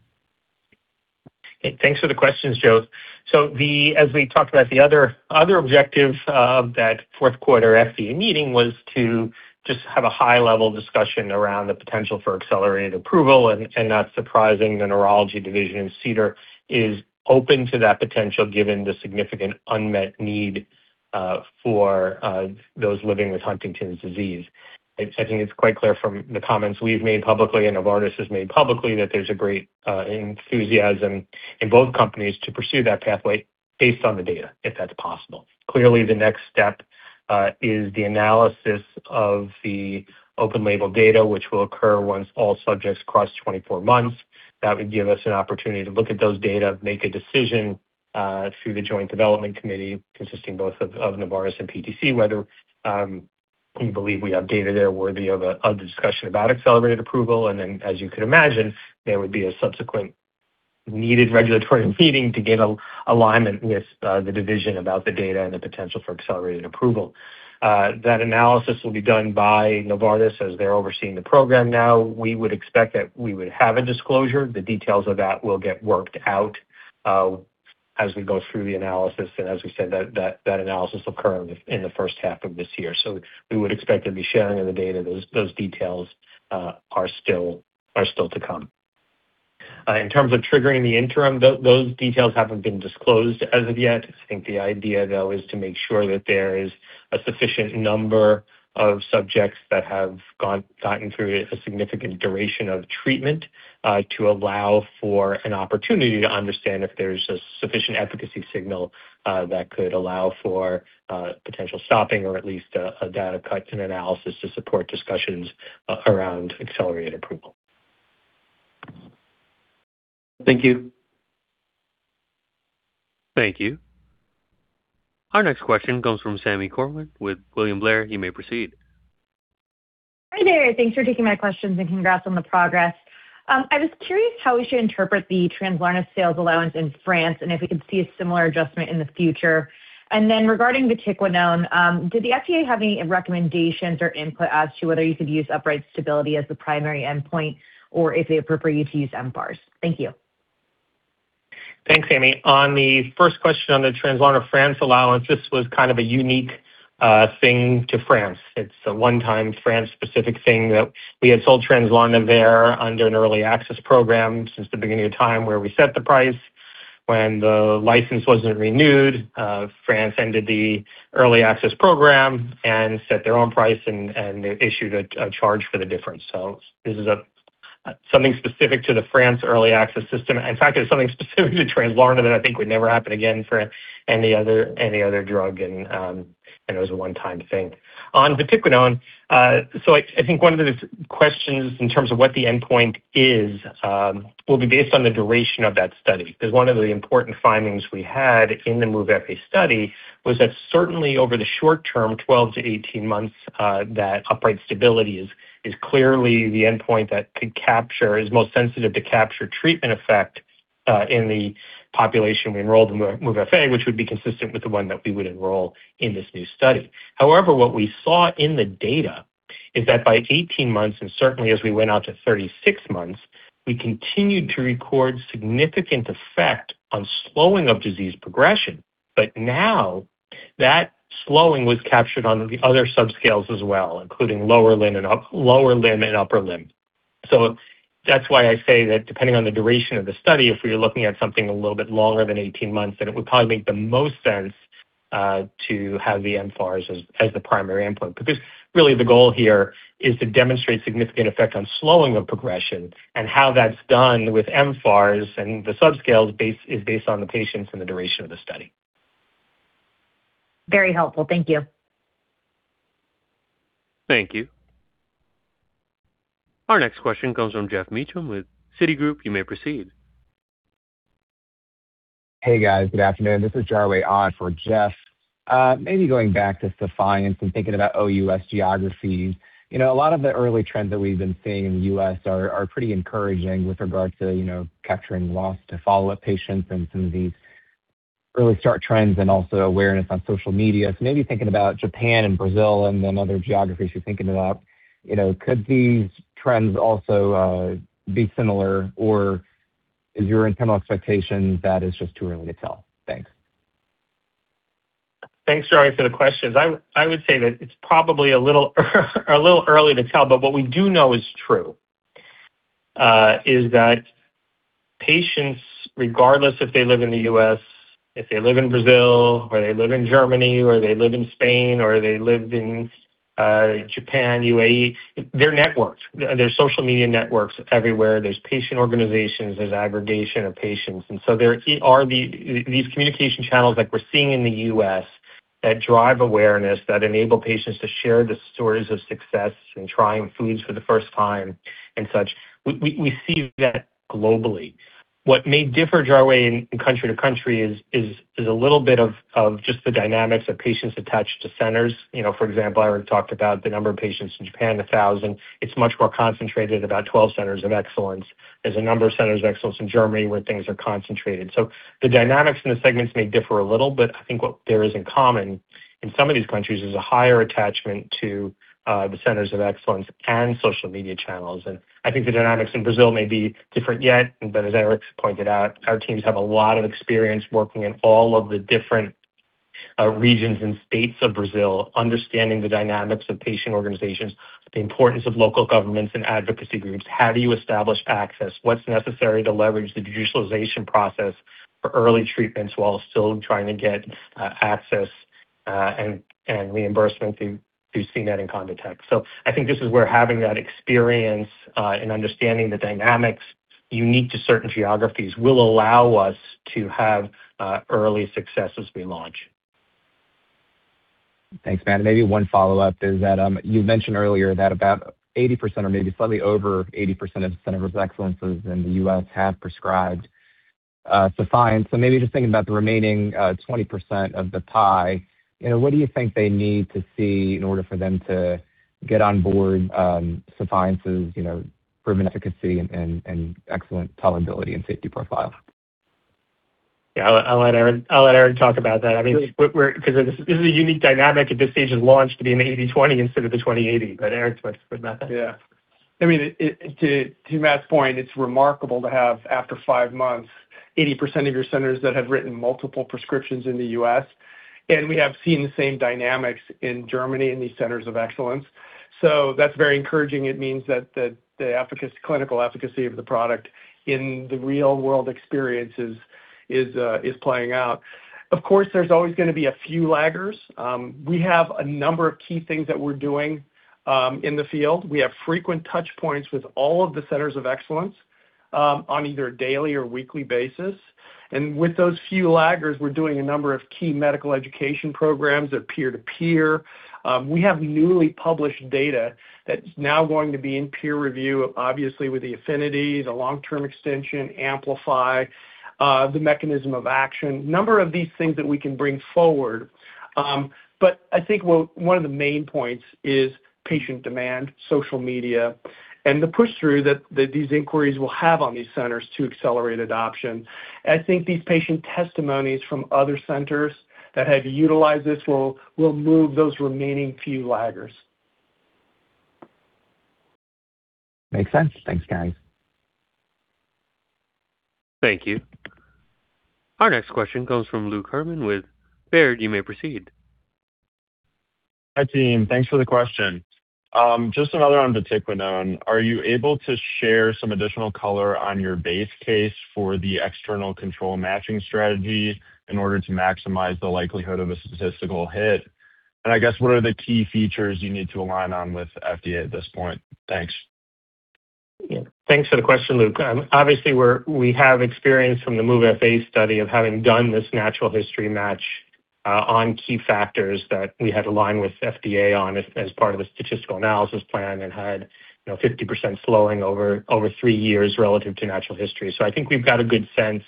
Hey, thanks for the questions, Joe. So as we talked about, the other objective of that fourth quarter FDA meeting was to just have a high-level discussion around the potential for accelerated approval. And not surprising, the neurology division in CDER is open to that potential, given the significant unmet need for those living with Huntington's disease. I think it's quite clear from the comments we've made publicly and Novartis has made publicly that there's a great enthusiasm in both companies to pursue that pathway based on the data, if that's possible. Clearly, the next step is the analysis of the open label data, which will occur once all subjects cross 24 months. That would give us an opportunity to look at those data, make a decision through the Joint Development Committee, consisting both of Novartis and PTC, whether we believe we have data there worthy of a discussion about accelerated approval. And then, as you could imagine, there would be a subsequent needed regulatory meeting to get alignment with the division about the data and the potential for accelerated approval. That analysis will be done by Novartis as they're overseeing the program now. We would expect that we would have a disclosure. The details of that will get worked out as we go through the analysis. And as we said, that analysis will occur in the first half of this year. So we would expect to be sharing the data. Those details are still to come. In terms of triggering the interim, those details haven't been disclosed as of yet. I think the idea, though, is to make sure that there is a sufficient number of subjects that have gotten through a significant duration of treatment, to allow for an opportunity to understand if there's a sufficient efficacy signal, that could allow for potential stopping or at least a data cut and analysis to support discussions around accelerated approval. Thank you. Thank you. Our next question comes from Sami Corwin with William Blair. You may proceed. Hi there. Thanks for taking my questions, and congrats on the progress. I was curious how we should interpret the Translarna sales allowance in France, and if we could see a similar adjustment in the future. And then regarding Vatiquinone, did the FDA have any recommendations or input as to whether you could use upright stability as the primary endpoint or if it's appropriate to use mFARS? Thank you. Thanks, Sami. On the first question, on the Translarna France allowance, this was kind of a unique thing to France. It's a one-time France-specific thing that we had sold Translarna there under an early access program since the beginning of time, where we set the price. When the license wasn't renewed, France ended the early access program and set their own price and, and issued a, a charge for the difference. So this is a something specific to the France early access system. In fact, it's something specific to Translarna that I think would never happen again for any other, any other drug, and, and it was a one-time thing. On Vatiquinone, so I, I think one of the questions in terms of what the endpoint is, will be based on the duration of that study. Because one of the important findings we had in the MOVE-FA study was that certainly over the short term, 12-18 months, that upright stability is clearly the endpoint that could capture, is most sensitive to capture treatment effect, in the population we enrolled in MOVE-FA, which would be consistent with the one that we would enroll in this new study. However, what we saw in the data is that by 18 months, and certainly as we went out to 36 months, we continued to record significant effect on slowing of disease progression. But now that slowing was captured on the other subscales as well, including lower limb and upper limb. So that's why I say that depending on the duration of the study, if we are looking at something a little bit longer than 18 months, then it would probably make the most sense to have the mFARS as the primary endpoint. Because really the goal here is to demonstrate significant effect on slowing of progression and how that's done with mFARS, and the subscales base is based on the patients and the duration of the study. Very helpful. Thank you. Thank you. Our next question comes from Geoff Meacham with Citigroup. You may proceed. Hey, guys. Good afternoon. This is Jarwei on for Geoff. Maybe going back to Sephience and thinking about OUS geography. You know, a lot of the early trends that we've been seeing in the U.S. are pretty encouraging with regard to, you know, capturing loss to follow-up patients and some of these early start trends and also awareness on social media. So maybe thinking about Japan and Brazil and then other geographies you're thinking about, you know, could these trends also be similar, or is your internal expectation that it's just too early to tell? Thanks. Thanks, Jarwei, for the questions. I would say that it's probably a little, a little early to tell, but what we do know is true is that patients, regardless if they live in the U.S., if they live in Brazil, or they live in Germany, or they live in Spain, or they lived in Japan, UAE, they're networked. There's social media networks everywhere. There's patient organizations, there's aggregation of patients. There are these communication channels like we're seeing in the U.S. that drive awareness, that enable patients to share the stories of success in trying foods for the first time and such. We see that globally. What may differ, Jarway, in country to country is a little bit of just the dynamics of patients attached to centers. You know, for example, I already talked about the number of patients in Japan, 1,000. It's much more concentrated, about 12 centers of excellence. There's a number of centers of excellence in Germany where things are concentrated. So the dynamics in the segments may differ a little, but I think what there is in common in some of these countries is a higher attachment to the centers of excellence and social media channels. And I think the dynamics in Brazil may be different yet, but as Eric pointed out, our teams have a lot of experience working in all of the different regions and states of Brazil, understanding the dynamics of patient organizations, the importance of local governments and advocacy groups. How do you establish access? What's necessary to leverage the digitalization process for early treatments while still trying to get access and reimbursement through CMED and CONITEC? So I think this is where having that experience and understanding the dynamics unique to certain geographies will allow us to have early success as we launch. Thanks, Matt. Maybe one follow-up is that you mentioned earlier that about 80% or maybe slightly over 80% of the centers of excellence in the U.S. have prescribed Sephience. So maybe just thinking about the remaining 20% of the pie, you know, what do you think they need to see in order for them to get on board Sephience, you know, proven efficacy and and excellent tolerability and safety profile? Yeah, I'll let Eric talk about that. I mean, we're. Because this is a unique dynamic at this stage of launch to be an 80/20 instead of the 20/80. But Eric, what's with that? Yeah. I mean, to Matt's point, it's remarkable to have, after five months, 80% of your centers that have written multiple prescriptions in the U.S., and we have seen the same dynamics in Germany in these centers of excellence. So that's very encouraging. It means that the efficacy, clinical efficacy of the product in the real-world experiences is playing out. Of course, there's always gonna be a few laggers. We have a number of key things that we're doing in the field. We have frequent touch points with all of the centers of excellence on either a daily or weekly basis. And with those few laggers, we're doing a number of key medical education programs of peer to peer. We have newly published data that's now going to be in peer review, obviously, with the APHENITY, the long-term extension, amplify, the mechanism of action. Number of these things that we can bring forward. But I think one of the main points is patient demand, social media, and the push-through that these inquiries will have on these centers to accelerate adoption. I think these patient testimonies from other centers that have utilized this will move those remaining few laggers. Makes sense. Thanks, guys. Thank you. Our next question comes from Luke Herrmann with Baird. You may proceed. Hi, team. Thanks for the question. Just another on Vatiquinone. Are you able to share some additional color on your base case for the external control matching strategy in order to maximize the likelihood of a statistical hit? And I guess, what are the key features you need to align on with FDA at this point? Thanks. Yeah, thanks for the question, Luke. Obviously, we're we have experience from the MOVE-FA study of having done this natural history match on key factors that we had aligned with FDA on as part of a statistical analysis plan and had, you know, 50% slowing over three years relative to natural history. So I think we've got a good sense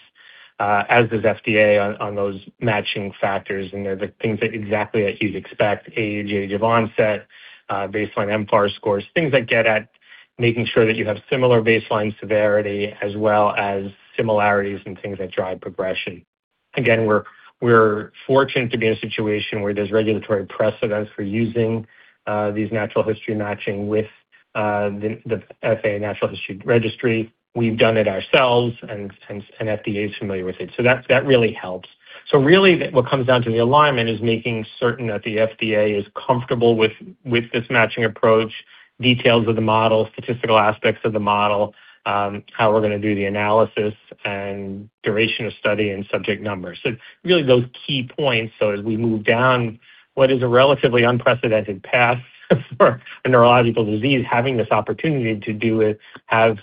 as does FDA on those matching factors, and they're the things that exactly that you'd expect: age, age of onset, baseline mFARS scores, things that get at making sure that you have similar baseline severity as well as similarities and things that drive progression. Again, we're fortunate to be in a situation where there's regulatory precedence for using these natural history matching with the FA natural history registry. We've done it ourselves, and FDA is familiar with it, so that really helps. So really, what comes down to the alignment is making certain that the FDA is comfortable with this matching approach, details of the model, statistical aspects of the model, how we're gonna do the analysis and duration of study and subject numbers. So really those key points. So as we move down what is a relatively unprecedented path for a neurological disease, having this opportunity to do it, have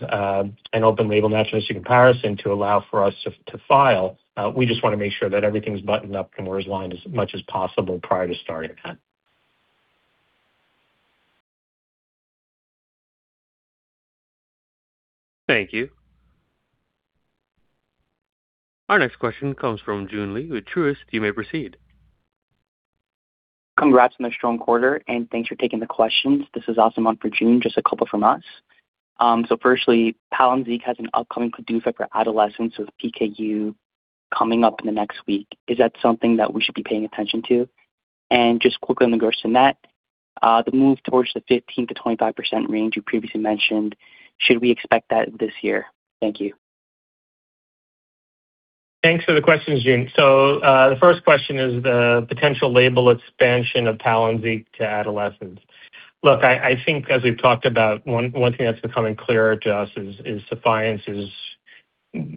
an open label natural history comparison to allow for us to file, we just wanna make sure that everything's buttoned up and we're as aligned as much as possible prior to starting it. Thank you. Our next question comes from Joon Lee with Truist. You may proceed. Congrats on a strong quarter, and thanks for taking the questions. This is also month for Joon, just a couple from us. So firstly, Palynziq has an upcoming PDUFA for adolescents with PKU coming up in the next week. Is that something that we should be paying attention to? And just quickly on the gross net, the move towards the 15%-25% range you previously mentioned, should we expect that this year? Thank you. Thanks for the questions, Joon. So, the first question is the potential label expansion of Palynziq to adolescents. Look, I think as we've talked about, one thing that's becoming clearer to us is Sephience is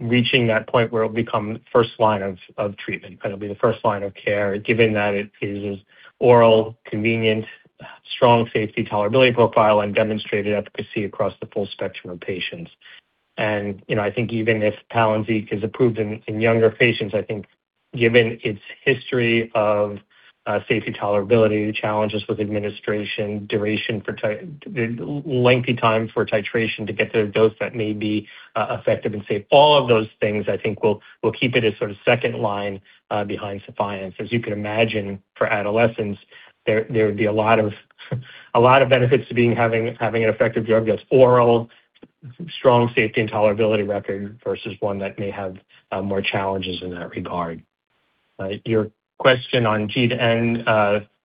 reaching that point where it'll become first line of treatment. It'll be the first line of care, given that it is oral, convenient, strong safety tolerability profile, and demonstrated efficacy across the full spectrum of patients. And, you know, I think even if Palynziq is approved in younger patients, I think given its history of safety tolerability, the challenges with administration, duration for the lengthy time for titration to get to a dose that may be effective and safe, all of those things, I think, will keep it as sort of second line behind Sephience. As you can imagine, for adolescents, there would be a lot of benefits to having an effective drug that's oral, strong safety and tolerability record versus one that may have more challenges in that regard. Your question on G to N,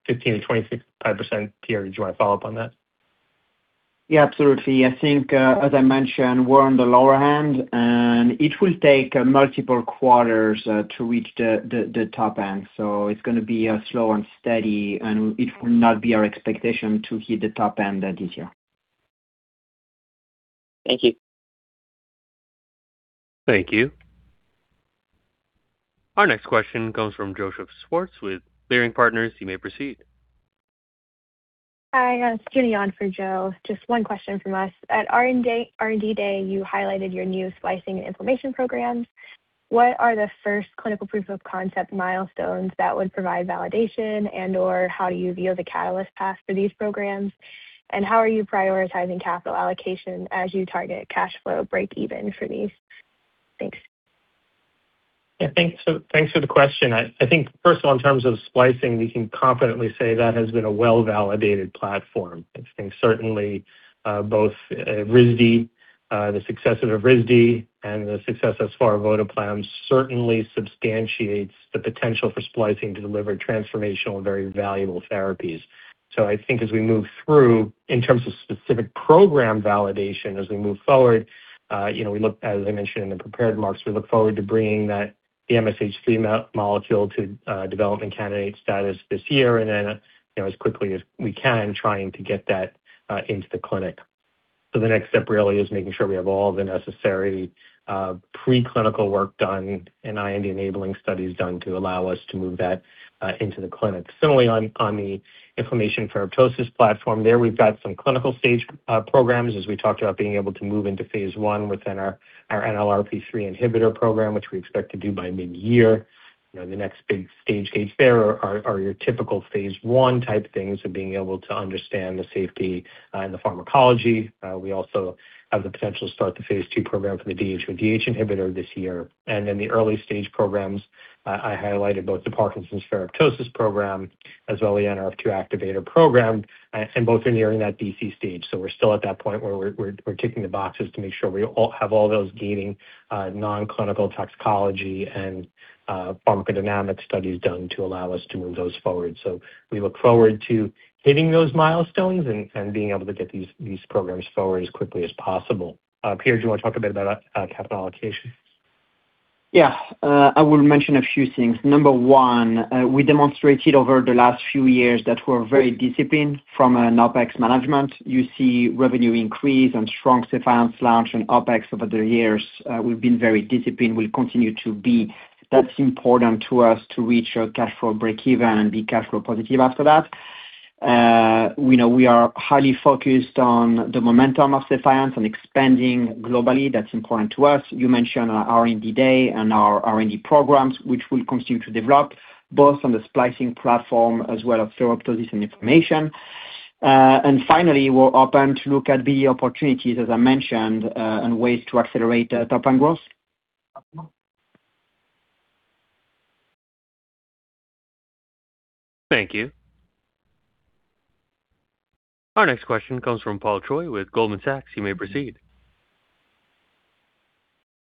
15%-25%, Pierre, do you want to follow up on that? Yeah, absolutely. I think, as I mentioned, we're on the lower hand, and it will take multiple quarters to reach the top end. So it's gonna be slow and steady, and it will not be our expectation to hit the top end this year. Thank you. Thank you. Our next question comes from Joseph Schwartz, with Leerink Partners. You may proceed. Hi, it's Judy on for Joe. Just one question from us. At R&D, R&D Day, you highlighted your new splicing and inflammation programs. What are the first clinical proof of concept milestones that would provide validation and/or how you view the catalyst path for these programs? And how are you prioritizing capital allocation as you target cash flow break even for these? Thanks. Yeah, thanks for, thanks for the question. I think first of all, in terms of splicing, we can confidently say that has been a well-validated platform. I think certainly, both, the success of Risdi and the success thus far of Votoplam certainly substantiates the potential for splicing to deliver transformational and very valuable therapies. So I think as we move through, in terms of specific program validation, as we move forward, you know, we look, as I mentioned in the prepared remarks, we look forward to bringing that, the MSH3 molecule to development candidate status this year, and then, you know, as quickly as we can, trying to get that into the clinic. So the next step really is making sure we have all the necessary preclinical work done and IND-enabling studies done to allow us to move that into the clinic. Similarly, on the inflammation and ferroptosis platform, there we've got some clinical stage programs as we talked about being able to move into phase I within our NLRP3 inhibitor program, which we expect to do by mid-year. You know, the next big stage gate there are your typical phase I type things and being able to understand the safety and the pharmacology. We also have the potential to start the phase II program for the DHODH inhibitor this year. And then the early-stage programs, I highlighted both the Parkinson's ferroptosis program as well the NRF2 activator program, and both are nearing that DC stage. So we're still at that point where we're ticking the boxes to make sure we all have all those gaining non-clinical toxicology and pharmacodynamic studies done to allow us to move those forward. So we look forward to hitting those milestones and being able to get these programs forward as quickly as possible. Pierre, do you want to talk a bit about capital allocation? Yeah. I will mention a few things. Number one, we demonstrated over the last few years that we're very disciplined from an OpEx management. You see revenue increase and strong Sephience launch and OpEx over the years. We've been very disciplined. We'll continue to be. That's important to us to reach a cash flow break even and be cash flow positive after that. We know we are highly focused on the momentum of Sephience and expanding globally. That's important to us. You mentioned our R&D day and our R&D programs, which we'll continue to develop, both on the splicing platform as well as ferroptosis and inflammation. And finally, we're open to look at the opportunities, as I mentioned, and ways to accelerate top-line growth. Thank you. Our next question comes from Paul Choi, with Goldman Sachs. You may proceed.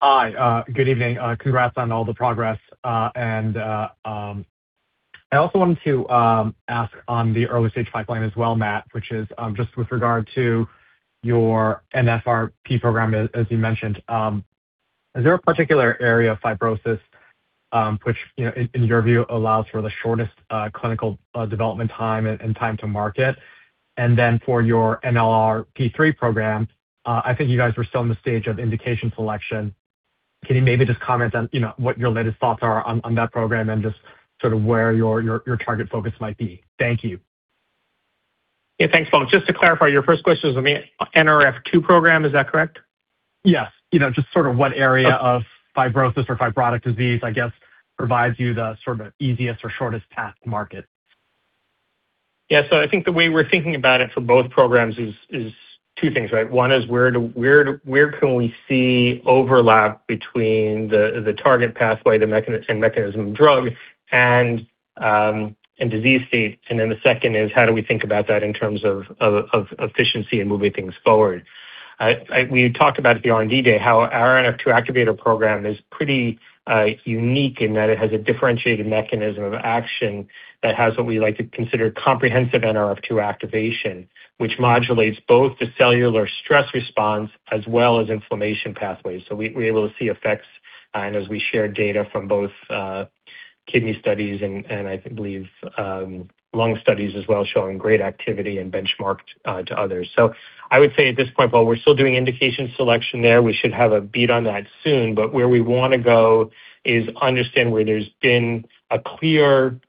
Hi. Good evening. Congrats on all the progress. And I also wanted to ask on the early stage pipeline as well, Matt, which is just with regard to your Nrf2 program, as you mentioned. Is there a particular area of fibrosis, which, you know, in your view, allows for the shortest clinical development time and time to market? And then for your NLRP3 program, I think you guys were still in the stage of indication selection. Can you maybe just comment on, you know, what your latest thoughts are on that program and just sort of where your target focus might be? Thank you. Yeah, thanks, Paul. Just to clarify, your first question is on the Nrf2 program, is that correct? Yes. You know, just sort of what area of fibrosis or fibrotic disease, I guess, provides you the sort of easiest or shortest path to market? Yeah, so I think the way we're thinking about it for both programs is. Two things, right? One is where can we see overlap between the target pathway, the mechanism, and mechanism of drug and and disease state? And then the second is, how do we think about that in terms of efficiency and moving things forward? We talked about at the R&D Day how our Nrf2 activator program is pretty unique in that it has a differentiated mechanism of action that has what we like to consider comprehensive Nrf2 activation, which modulates both the cellular stress response as well as inflammation pathways. So we're able to see effects, and as we share data from both kidney studies and I believe lung studies as well, showing great activity and benchmarked to others. So I would say at this point, while we're still doing indication selection there, we should have a beat on that soon. But where we wanna go is understand where there's been a clear,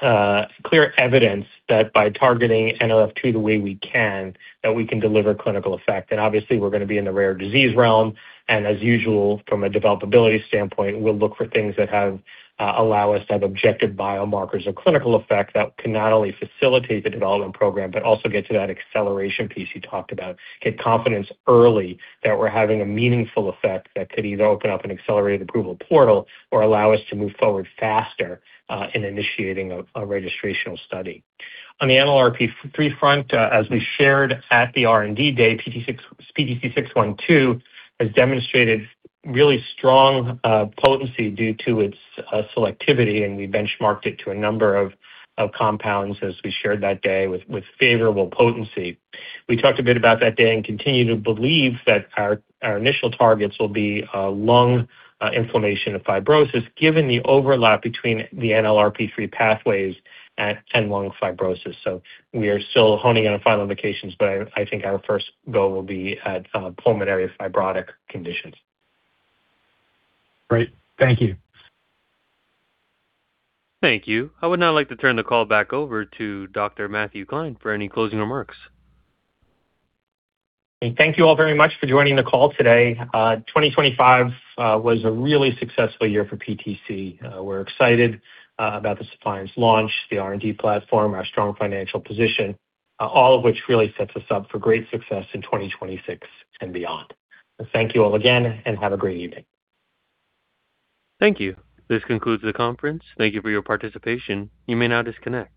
clear evidence that by targeting NRF2 the way we can, that we can deliver clinical effect. And obviously, we're gonna be in the rare disease realm, and as usual, from a developability standpoint, we'll look for things that have, allow us to have objective biomarkers or clinical effect that can not only facilitate the development program but also get to that acceleration piece you talked about. Get confidence early that we're having a meaningful effect that could either open up an accelerated approval portal or allow us to move forward faster, in initiating a registrational study. On the NLRP3 front, as we shared at the R&D Day, PTC612 has demonstrated really strong potency due to its selectivity, and we benchmarked it to a number of compounds, as we shared that day, with favorable potency. We talked a bit about that day and continue to believe that our initial targets will be lung inflammation and fibrosis, given the overlap between the NLRP3 pathways and lung fibrosis. So we are still honing in on final indications, but I think our first go will be at pulmonary fibrotic conditions. Great. Thank you. Thank you. I would now like to turn the call back over to Dr. Matthew Klein for any closing remarks. Thank you all very much for joining the call today. 2025 was a really successful year for PTC. We're excited about the Sephience's launch, the R&D platform, our strong financial position, all of which really sets us up for great success in 2026 and beyond. Thank you all again, and have a great evening. Thank you. This concludes the conference. Thank you for your participation. You may now disconnect.